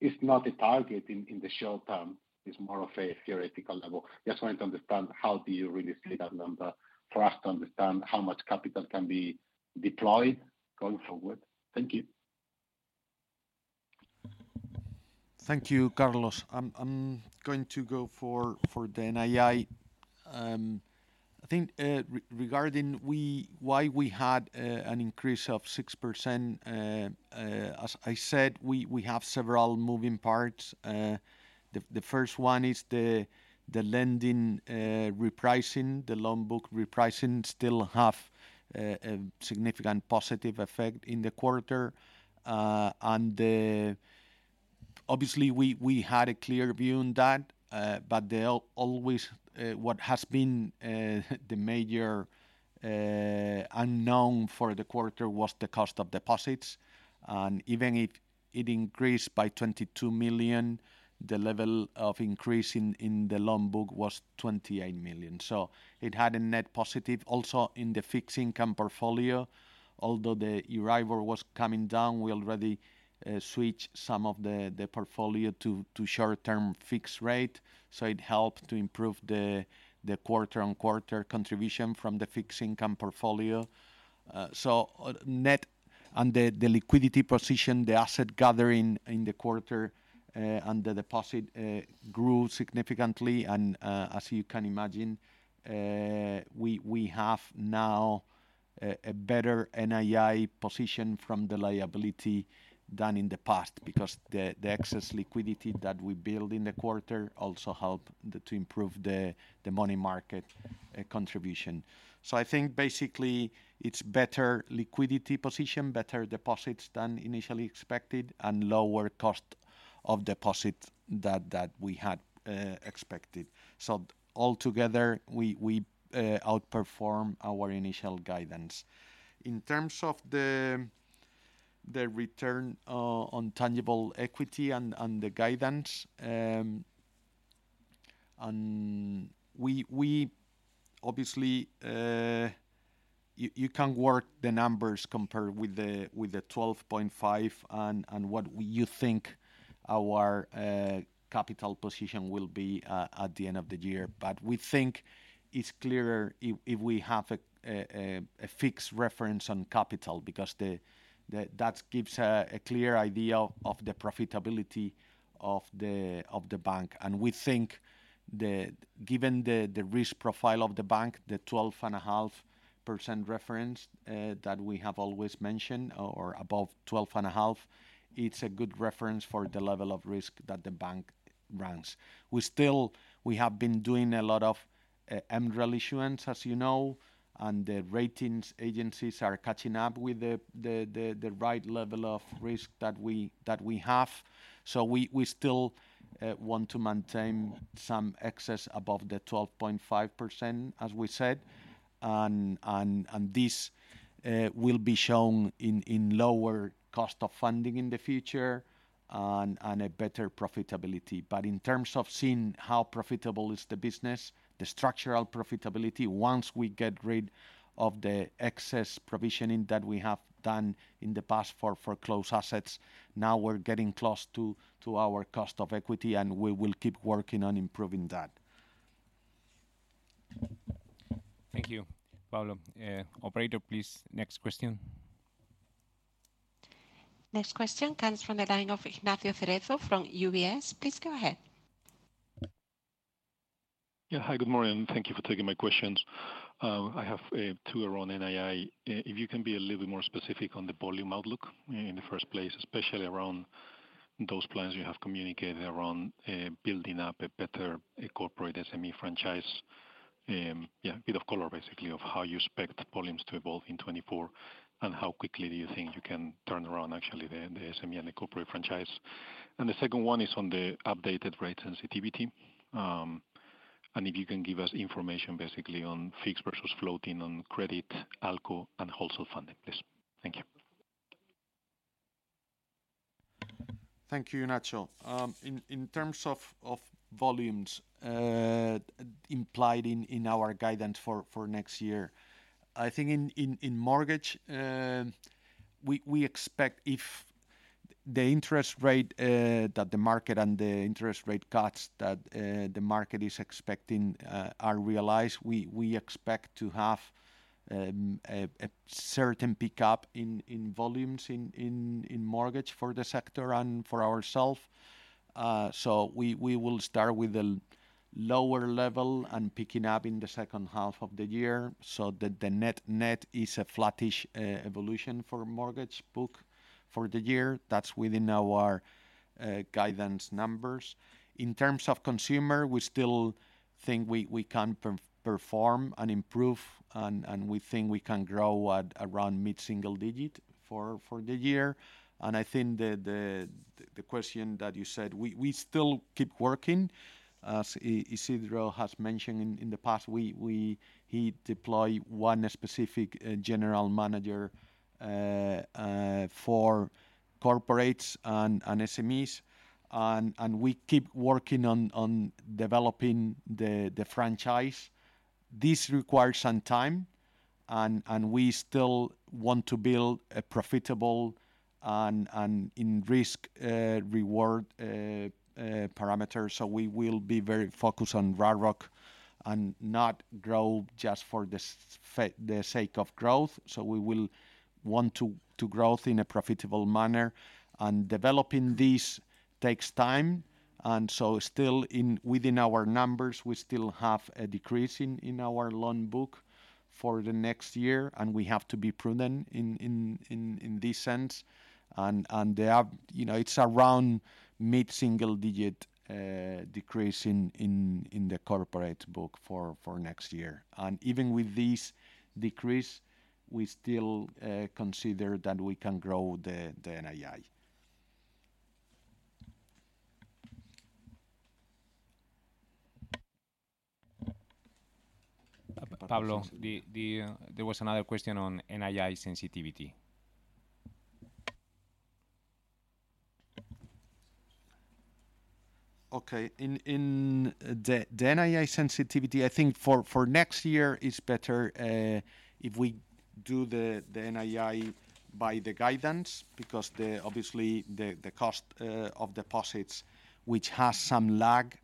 it's not a target in the short term, it's more of a theoretical level. Just wanted to understand how do you really see that number, for us to understand how much capital can be deployed going forward. Thank you. Thank you, Carlos. I'm going to go for the NII. I think, regarding why we had an increase of 6%, as I said, we have several moving parts. The first one is the lending repricing, the loan book repricing still have significant positive effect in the quarter. And obviously, we had a clear view on that, but always, what has been the major unknown for the quarter was the cost of deposits. And even if it increased by 22 million, the level of increase in the loan book was 28 million. So it had a net positive also in the fixed income portfolio. Although the Euribor was coming down, we already switched some of the portfolio to short-term fixed rate, so it helped to improve the quarter-over-quarter contribution from the fixed income portfolio. So net and the liquidity position, the asset gathering in the quarter, and the deposit grew significantly. And as you can imagine, we have now a better NII position from the liability than in the past, because the excess liquidity that we built in the quarter also helped to improve the money market contribution. So I think basically it's better liquidity position, better deposits than initially expected, and lower cost of deposits than we had expected. So altogether, we outperformed our initial guidance. In terms of the return on tangible equity and the guidance, and we obviously... You can work the numbers compared with the 12.5 and what we—you think our capital position will be at the end of the year. But we think it's clearer if we have a fixed reference on capital, because that gives a clear idea of the profitability of the bank. And we think that given the risk profile of the bank, the 12.5% reference that we have always mentioned, or above 12.5, it's a good reference for the level of risk that the bank runs. We still. We have been doing a lot of MREL issuance, as you know, and the ratings agencies are catching up with the right level of risk that we have. So we still want to maintain some excess above the 12.5%, as we said, and this will be shown in lower cost of funding in the future and a better profitability. But in terms of seeing how profitable is the business, the structural profitability, once we get rid of the excess provisioning that we have done in the past for foreclosed assets, now we're getting close to our cost of equity, and we will keep working on improving that. Thank you, Pablo. Operator, please, next question. Next question comes from the line of Ignacio Cerezo from UBS. Please go ahead. Yeah. Hi, good morning, thank you for taking my questions. I have two around NII. If you can be a little bit more specific on the volume outlook in the first place, especially around those plans you have communicated around, building up a better corporate SME franchise. Yeah, a bit of color, basically, of how you expect the volumes to evolve in 2024, and how quickly do you think you can turn around actually the SME and the corporate franchise? And the second one is on the updated rate sensitivity. And if you can give us information basically on fixed versus floating on credit, ALCO, and wholesale funding, please. Thank you. Thank you, Ignacio. In terms of volumes implied in our guidance for next year, I think in mortgage we expect if the interest rate that the market and the interest rate cuts that the market is expecting are realized, we expect to have a certain pickup in volumes in mortgage for the sector and for ourselves. So we will start with a lower level and picking up in the second half of the year, so the net is a flattish evolution for mortgage book for the year. That's within our guidance numbers. In terms of consumer, we still think we can perform and improve, and we think we can grow at around mid-single digit for the year. I think the question that you said, we still keep working. As Isidro has mentioned in the past, he deployed one specific general manager for corporates and SMEs, and we keep working on developing the franchise. This requires some time, and we still want to build a profitable and in risk reward parameter, so we will be very focused on ROROC and not grow just for the sake of growth. So we will want to grow in a profitable manner, and developing this takes time. And so still within our numbers, we still have a decrease in our loan book for the next year, and we have to be prudent in this sense. There are. You know, it's around mid-single digit decrease in the corporate book for next year. And even with this decrease, we still consider that we can grow the NII. Pablo, there was another question on NII sensitivity. Okay. In the NII sensitivity, I think for next year, it's better if we do the NII by the guidance, because the, obviously, the cost of deposits, which has some lag,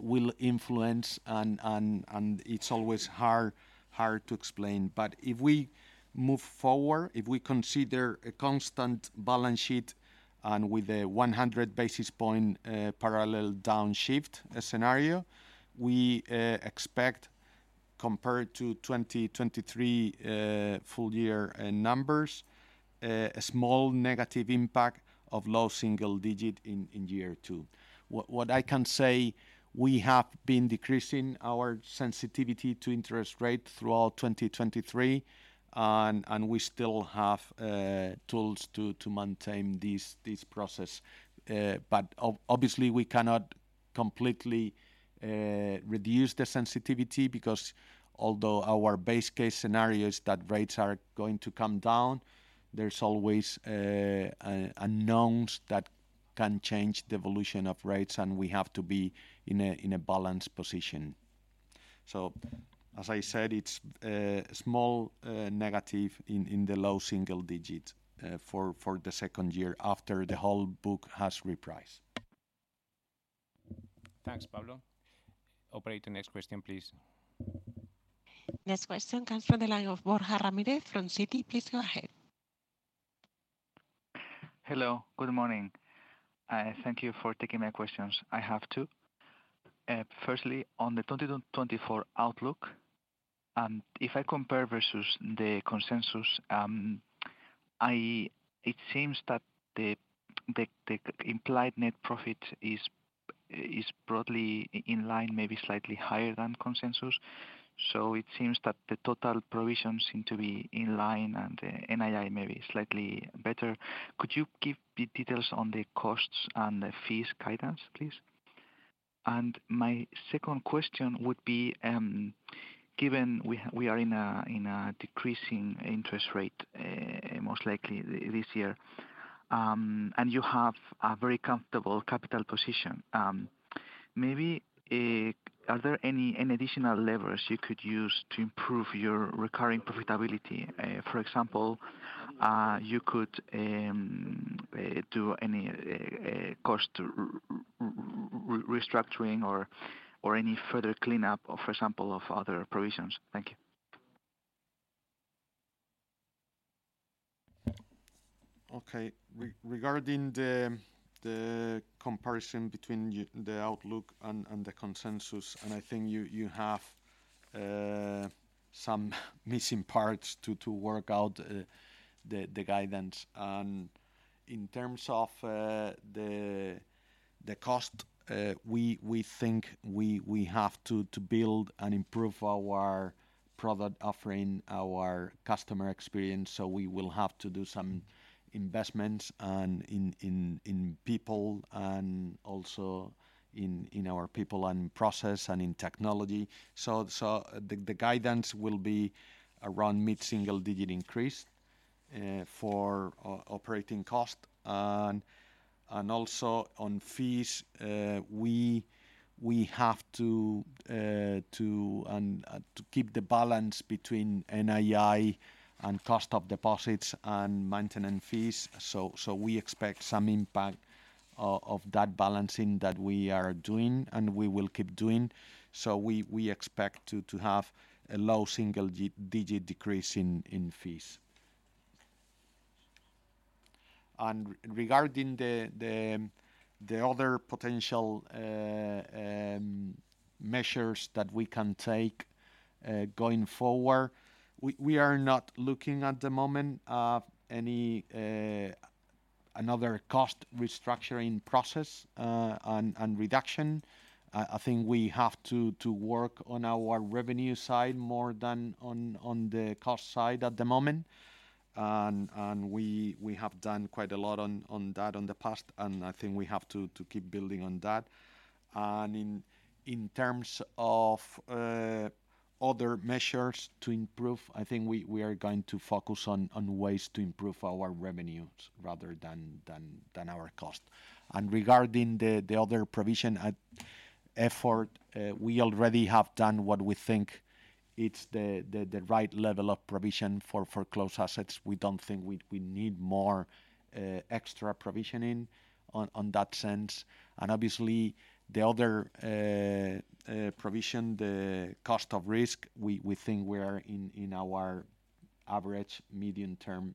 will influence, and it's always hard to explain. But if we move forward, if we consider a constant balance sheet and with a 100 basis point parallel downshift scenario, we expect, compared to 2023 full year numbers, a small negative impact of low single digit in year two. What I can say, we have been decreasing our sensitivity to interest rate throughout 2023, and we still have tools to maintain this process. But obviously, we cannot completely reduce the sensitivity, because although our base case scenario is that rates are going to come down, there's always unknowns that can change the evolution of rates, and we have to be in a balanced position. So as I said, it's small negative in the low single digits for the second year after the whole book has repriced. Thanks, Pablo. Operator, next question, please. Next question comes from the line of Borja Ramírez from Citi. Please go ahead. Hello, good morning, and thank you for taking my questions. I have two. Firstly, on the 2024 outlook, and if I compare versus the consensus, I... It seems that the, the, the implied net profit is, is broadly in line, maybe slightly higher than consensus. So it seems that the total provisions seem to be in line and the NII may be slightly better. Could you give the details on the costs and the fees guidance, please? And my second question would be, given we ha-- we are in a, in a decreasing interest rate, most likely this year, and you have a very comfortable capital position, maybe, are there any, any additional levers you could use to improve your recurring profitability? For example, you could do any cost restructuring or any further cleanup of, for example, of other provisions? Thank you. Okay. Regarding the comparison between the outlook and the consensus, and I think you have some missing parts to work out the guidance. In terms of the cost, we think we have to build and improve our product offering, our customer experience, so we will have to do some investments and in people and also in our people and process and in technology. So the guidance will be around mid-single digit increase for operating cost. Also on fees, we have to keep the balance between NII and cost of deposits and maintenance fees. So we expect some impact of that balancing that we are doing, and we will keep doing. So we expect to have a low single-digit decrease in fees. Regarding the other potential measures that we can take going forward, we are not looking at the moment at any another cost restructuring process and reduction. I think we have to work on our revenue side more than on the cost side at the moment. We have done quite a lot on that in the past, and I think we have to keep building on that. In terms of other measures to improve, I think we are going to focus on ways to improve our revenues rather than our cost. Regarding the other provision, I-... effort, we already have done what we think it's the right level of provision for foreclosed assets. We don't think we need more extra provisioning on that sense. And obviously, the other provision, the cost of risk, we think we are in our average medium-term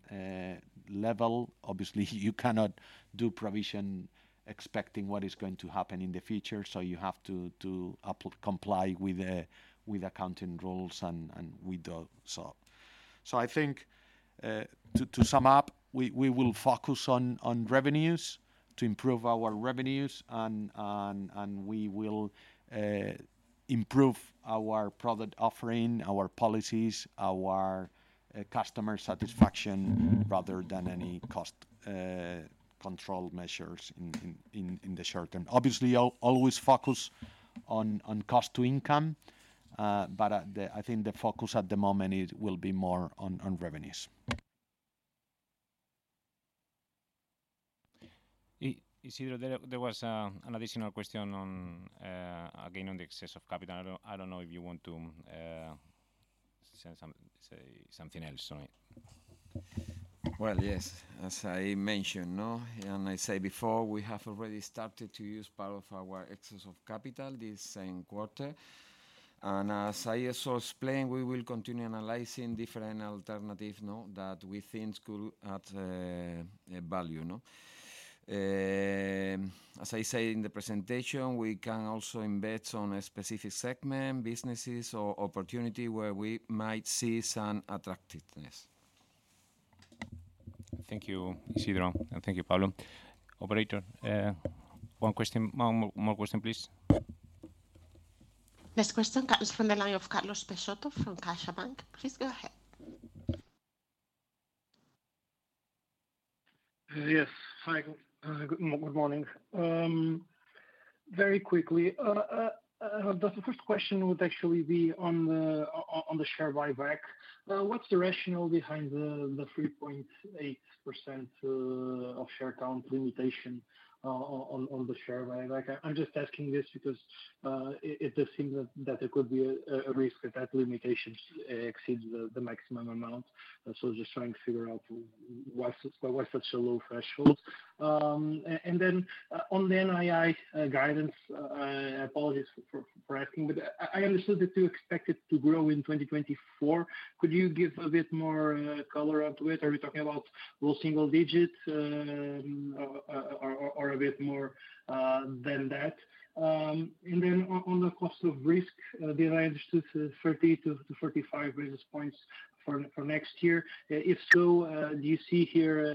level. Obviously, you cannot do provision expecting what is going to happen in the future, so you have to comply with accounting rules and with the-- So I think, to sum up, we will focus on revenues to improve our revenues, and we will improve our product offering, our policies, our customer satisfaction- Mm-hmm. Rather than any cost control measures in the short term. Obviously, always focus on cost to income, but I think the focus at the moment is, will be more on revenues. Isidro, there was an additional question on, again, on the excess of capital. I don't know if you want to say something else on it. Well, yes. As I mentioned, and I say before, we have already started to use part of our excess of capital this same quarter. And as I also explained, we will continue analyzing different alternative, you know, that we think could add value, you know? As I say in the presentation, we can also invest on a specific segment, businesses or opportunity where we might see some attractiveness. Thank you, Isidro, and thank you, Pablo. Operator, one more, one more question, please. Next question comes from the line of Carlos Peixoto from CaixaBank. Please go ahead. Yes. Hi, good morning. Very quickly, the first question would actually be on the share buyback. What's the rationale behind the 3.8% of share count limitation on the share buyback? I'm just asking this because it does seem that there could be a risk that limitations exceed the maximum amount. So just trying to figure out why such a low threshold. And then, on the NII guidance, apologies for asking, but I understood that you expect it to grow in 2024. Could you give a bit more color up to it? Are we talking about low single digits or a bit more than that? And then on the cost of risk, did I understood 30-35 basis points for next year? If so, do you see here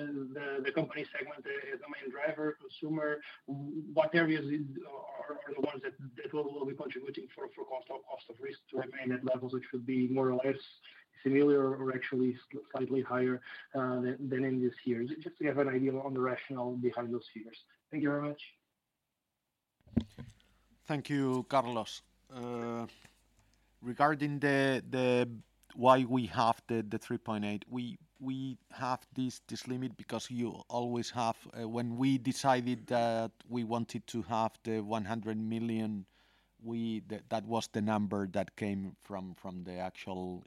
the company segment as the main driver, consumer? What areas are the ones that will be contributing for cost of risk to remain at levels which would be more or less similar or actually slightly higher than in this year? Just to have an idea on the rationale behind those figures. Thank you very much. Thank you, Carlos. Regarding why we have the 3.8, we have this limit because you always have... When we decided that we wanted to have the 100 million, that was the number that came from the actual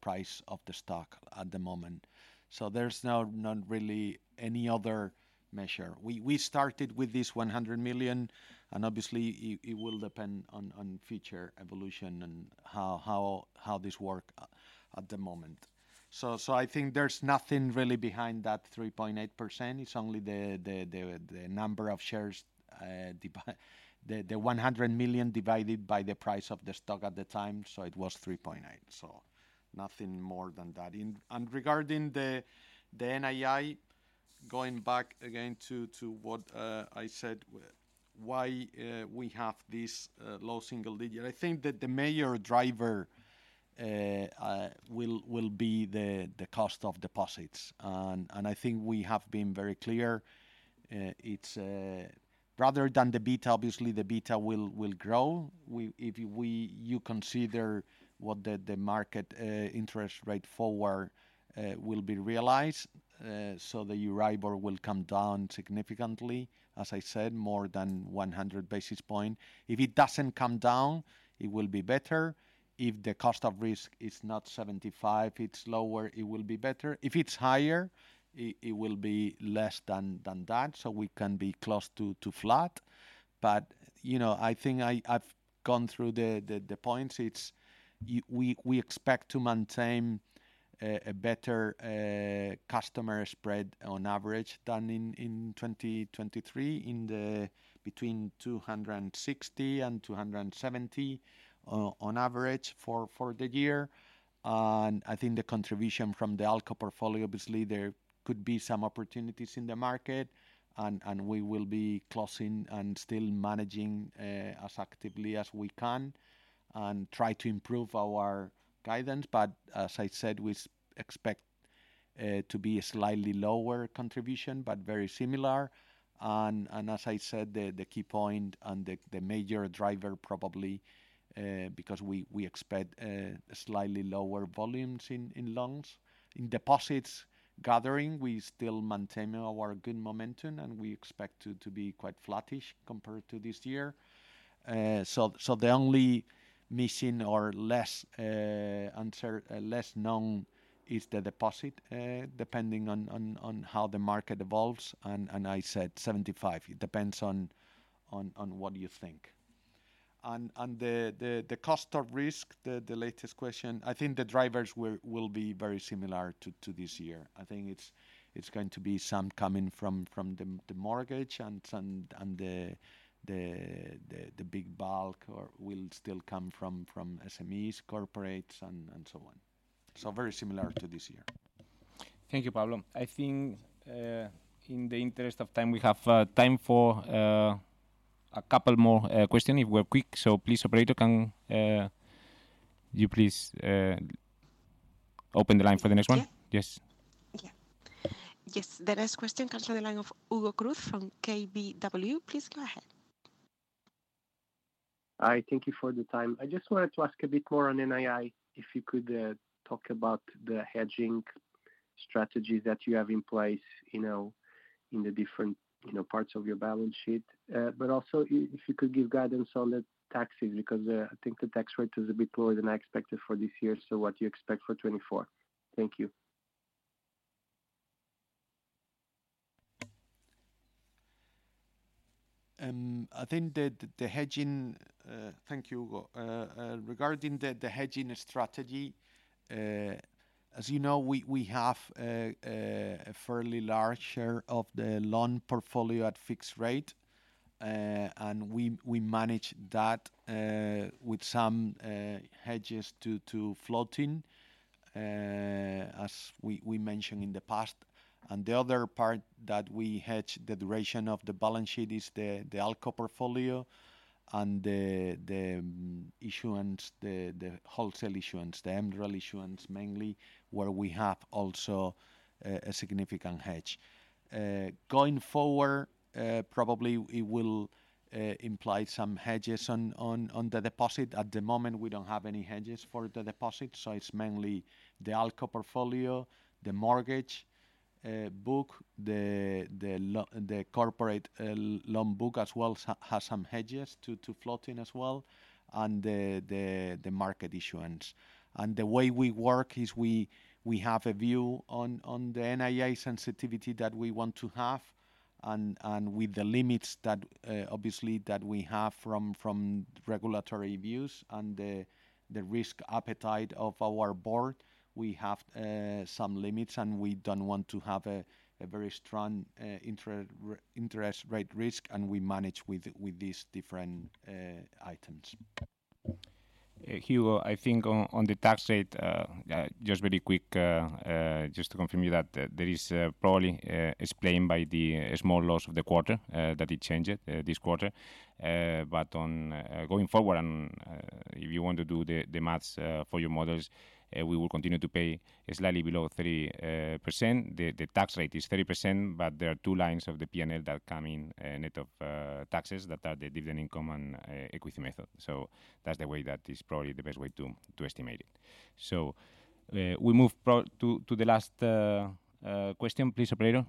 price of the stock at the moment. So there's now not really any other measure. We started with this 100 million, and obviously, it will depend on future evolution and how this works at the moment. So I think there's nothing really behind that 3.8%. It's only the number of shares, the 100 million divided by the price of the stock at the time, so it was 3.8. So nothing more than that. And regarding the NII, going back again to what I said, why we have this low single digit, I think that the major driver will be the cost of deposits. And I think we have been very clear, it's rather than the beta, obviously, the beta will grow. We, if you consider what the market interest rate forward will be realized, so the Euribor will come down significantly, as I said, more than 100 basis points. If it doesn't come down, it will be better. If the cost of risk is not 75, it's lower, it will be better. If it's higher, it will be less than that, so we can be close to flat. But, you know, I think I've gone through the points. We expect to maintain a better customer spread on average than in 2023, between 260 and 270 on average for the year. And I think the contribution from the ALCO portfolio, obviously, there could be some opportunities in the market, and we will be closing and still managing as actively as we can and try to improve our guidance. But as I said, we expect to be a slightly lower contribution, but very similar. And as I said, the key point and the major driver probably, because we expect slightly lower volumes in loans. In deposits gathering, we still maintain our good momentum, and we expect to be quite flattish compared to this year. So the only missing or less uncertain, less known is the deposit, depending on how the market evolves. And I said 75. It depends on what you think. And the cost of risk, the latest question, I think the drivers will be very similar to this year. I think it's going to be some coming from the mortgage and some... and the big bulk or will still come from SMEs, corporates, and so on. So very similar to this year. Thank you, Pablo. I think, in the interest of time, we have time for a couple more question if we're quick. So please, operator, can you please open the line for the next one? Yes. Yes. Yeah. Yes, the next question comes from the line of Hugo Cruz from KBW. Please go ahead. Hi, thank you for the time. I just wanted to ask a bit more on NII, if you could talk about the hedging strategy that you have in place, you know, in the different, you know, parts of your balance sheet. Also if you could give guidance on the taxes, because I think the tax rate is a bit lower than I expected for this year. What do you expect for 2024? Thank you. I think the hedging. Thank you, Hugo. Regarding the hedging strategy, as you know, we have a fairly large share of the loan portfolio at fixed rate, and we manage that with some hedges to floating, as we mentioned in the past. And the other part that we hedge, the duration of the balance sheet, is the ALCO portfolio and the issuance, the wholesale issuance, the MREL issuance, mainly where we have also a significant hedge. Going forward, probably it will imply some hedges on the deposit. At the moment, we don't have any hedges for the deposit, so it's mainly the ALCO portfolio, the mortgage book, the corporate loan book as well has some hedges to floating as well, and the market issuance. The way we work is we have a view on the NII sensitivity that we want to have, and with the limits that obviously that we have from regulatory views and the risk appetite of our board. We have some limits, and we don't want to have a very strong interest rate risk, and we manage with these different items. Hugo, I think on the tax rate, just very quick, just to confirm you that there is probably explained by a small loss of the quarter that it changed it this quarter. But on going forward, and if you want to do the math for your models, we will continue to pay slightly below 3%. The tax rate is 30%, but there are two lines of the P&L that come in net of taxes, that are the dividend income and equity method. So that's the way that is probably the best way to estimate it. So, we move to the last question, please, operator.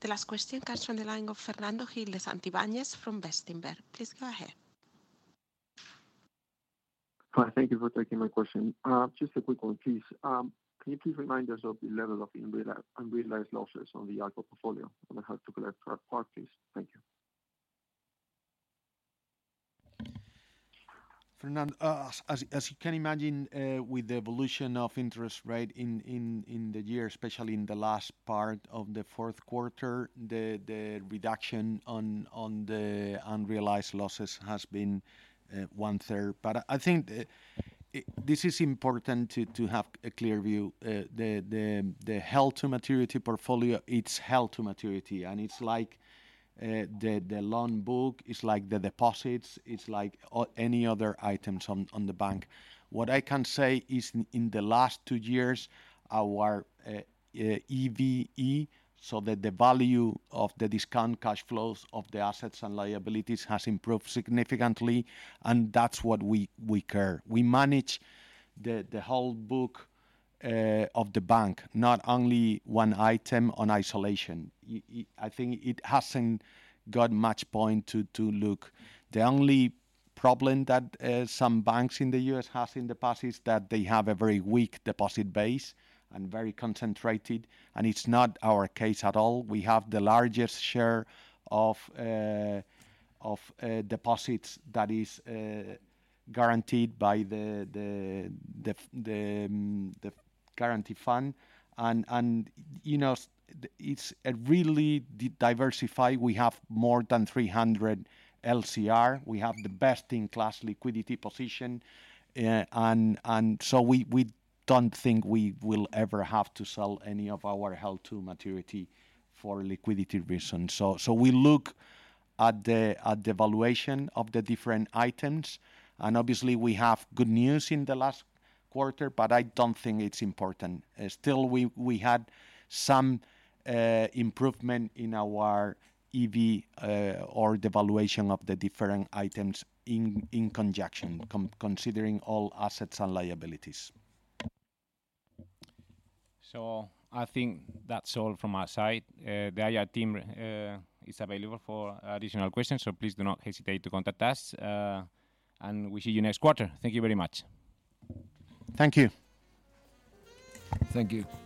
The last question comes from the line of Fernando Gil de Santivañes from Bestinver. Please go ahead. Hi, thank you for taking my question. Just a quick one, please. Can you please remind us of the level of unrealized, unrealized losses on the ALCO portfolio and held-to-collect other parties? Thank you. Fernando, as you can imagine, with the evolution of interest rate in the year, especially in the last part of the fourth quarter, the reduction on the unrealized losses has been one third. But I think, this is important to have a clear view. The held-to-maturity portfolio, it's held to maturity, and it's like the loan book, it's like the deposits, it's like any other items on the bank. What I can say is in the last two years, our EVE, so the value of the discount cash flows of the assets and liabilities, has improved significantly, and that's what we care. We manage the whole book of the bank, not only one item on isolation. I think it hasn't got much point to look. The only problem that some banks in the U.S. has in the past is that they have a very weak deposit base and very concentrated, and it's not our case at all. We have the largest share of deposits that is guaranteed by the guarantee fund, and you know it's a really diversified. We have more than 300 LCR. We have the best-in-class liquidity position, and so we don't think we will ever have to sell any of our held-to-maturity for liquidity reasons. So we look at the valuation of the different items, and obviously we have good news in the last quarter, but I don't think it's important. Still, we had some improvement in our EV, or the valuation of the different items in conjunction, considering all assets and liabilities. I think that's all from our side. The IR team is available for additional questions, so please do not hesitate to contact us, and we'll see you next quarter. Thank you very much. Thank you. Thank you.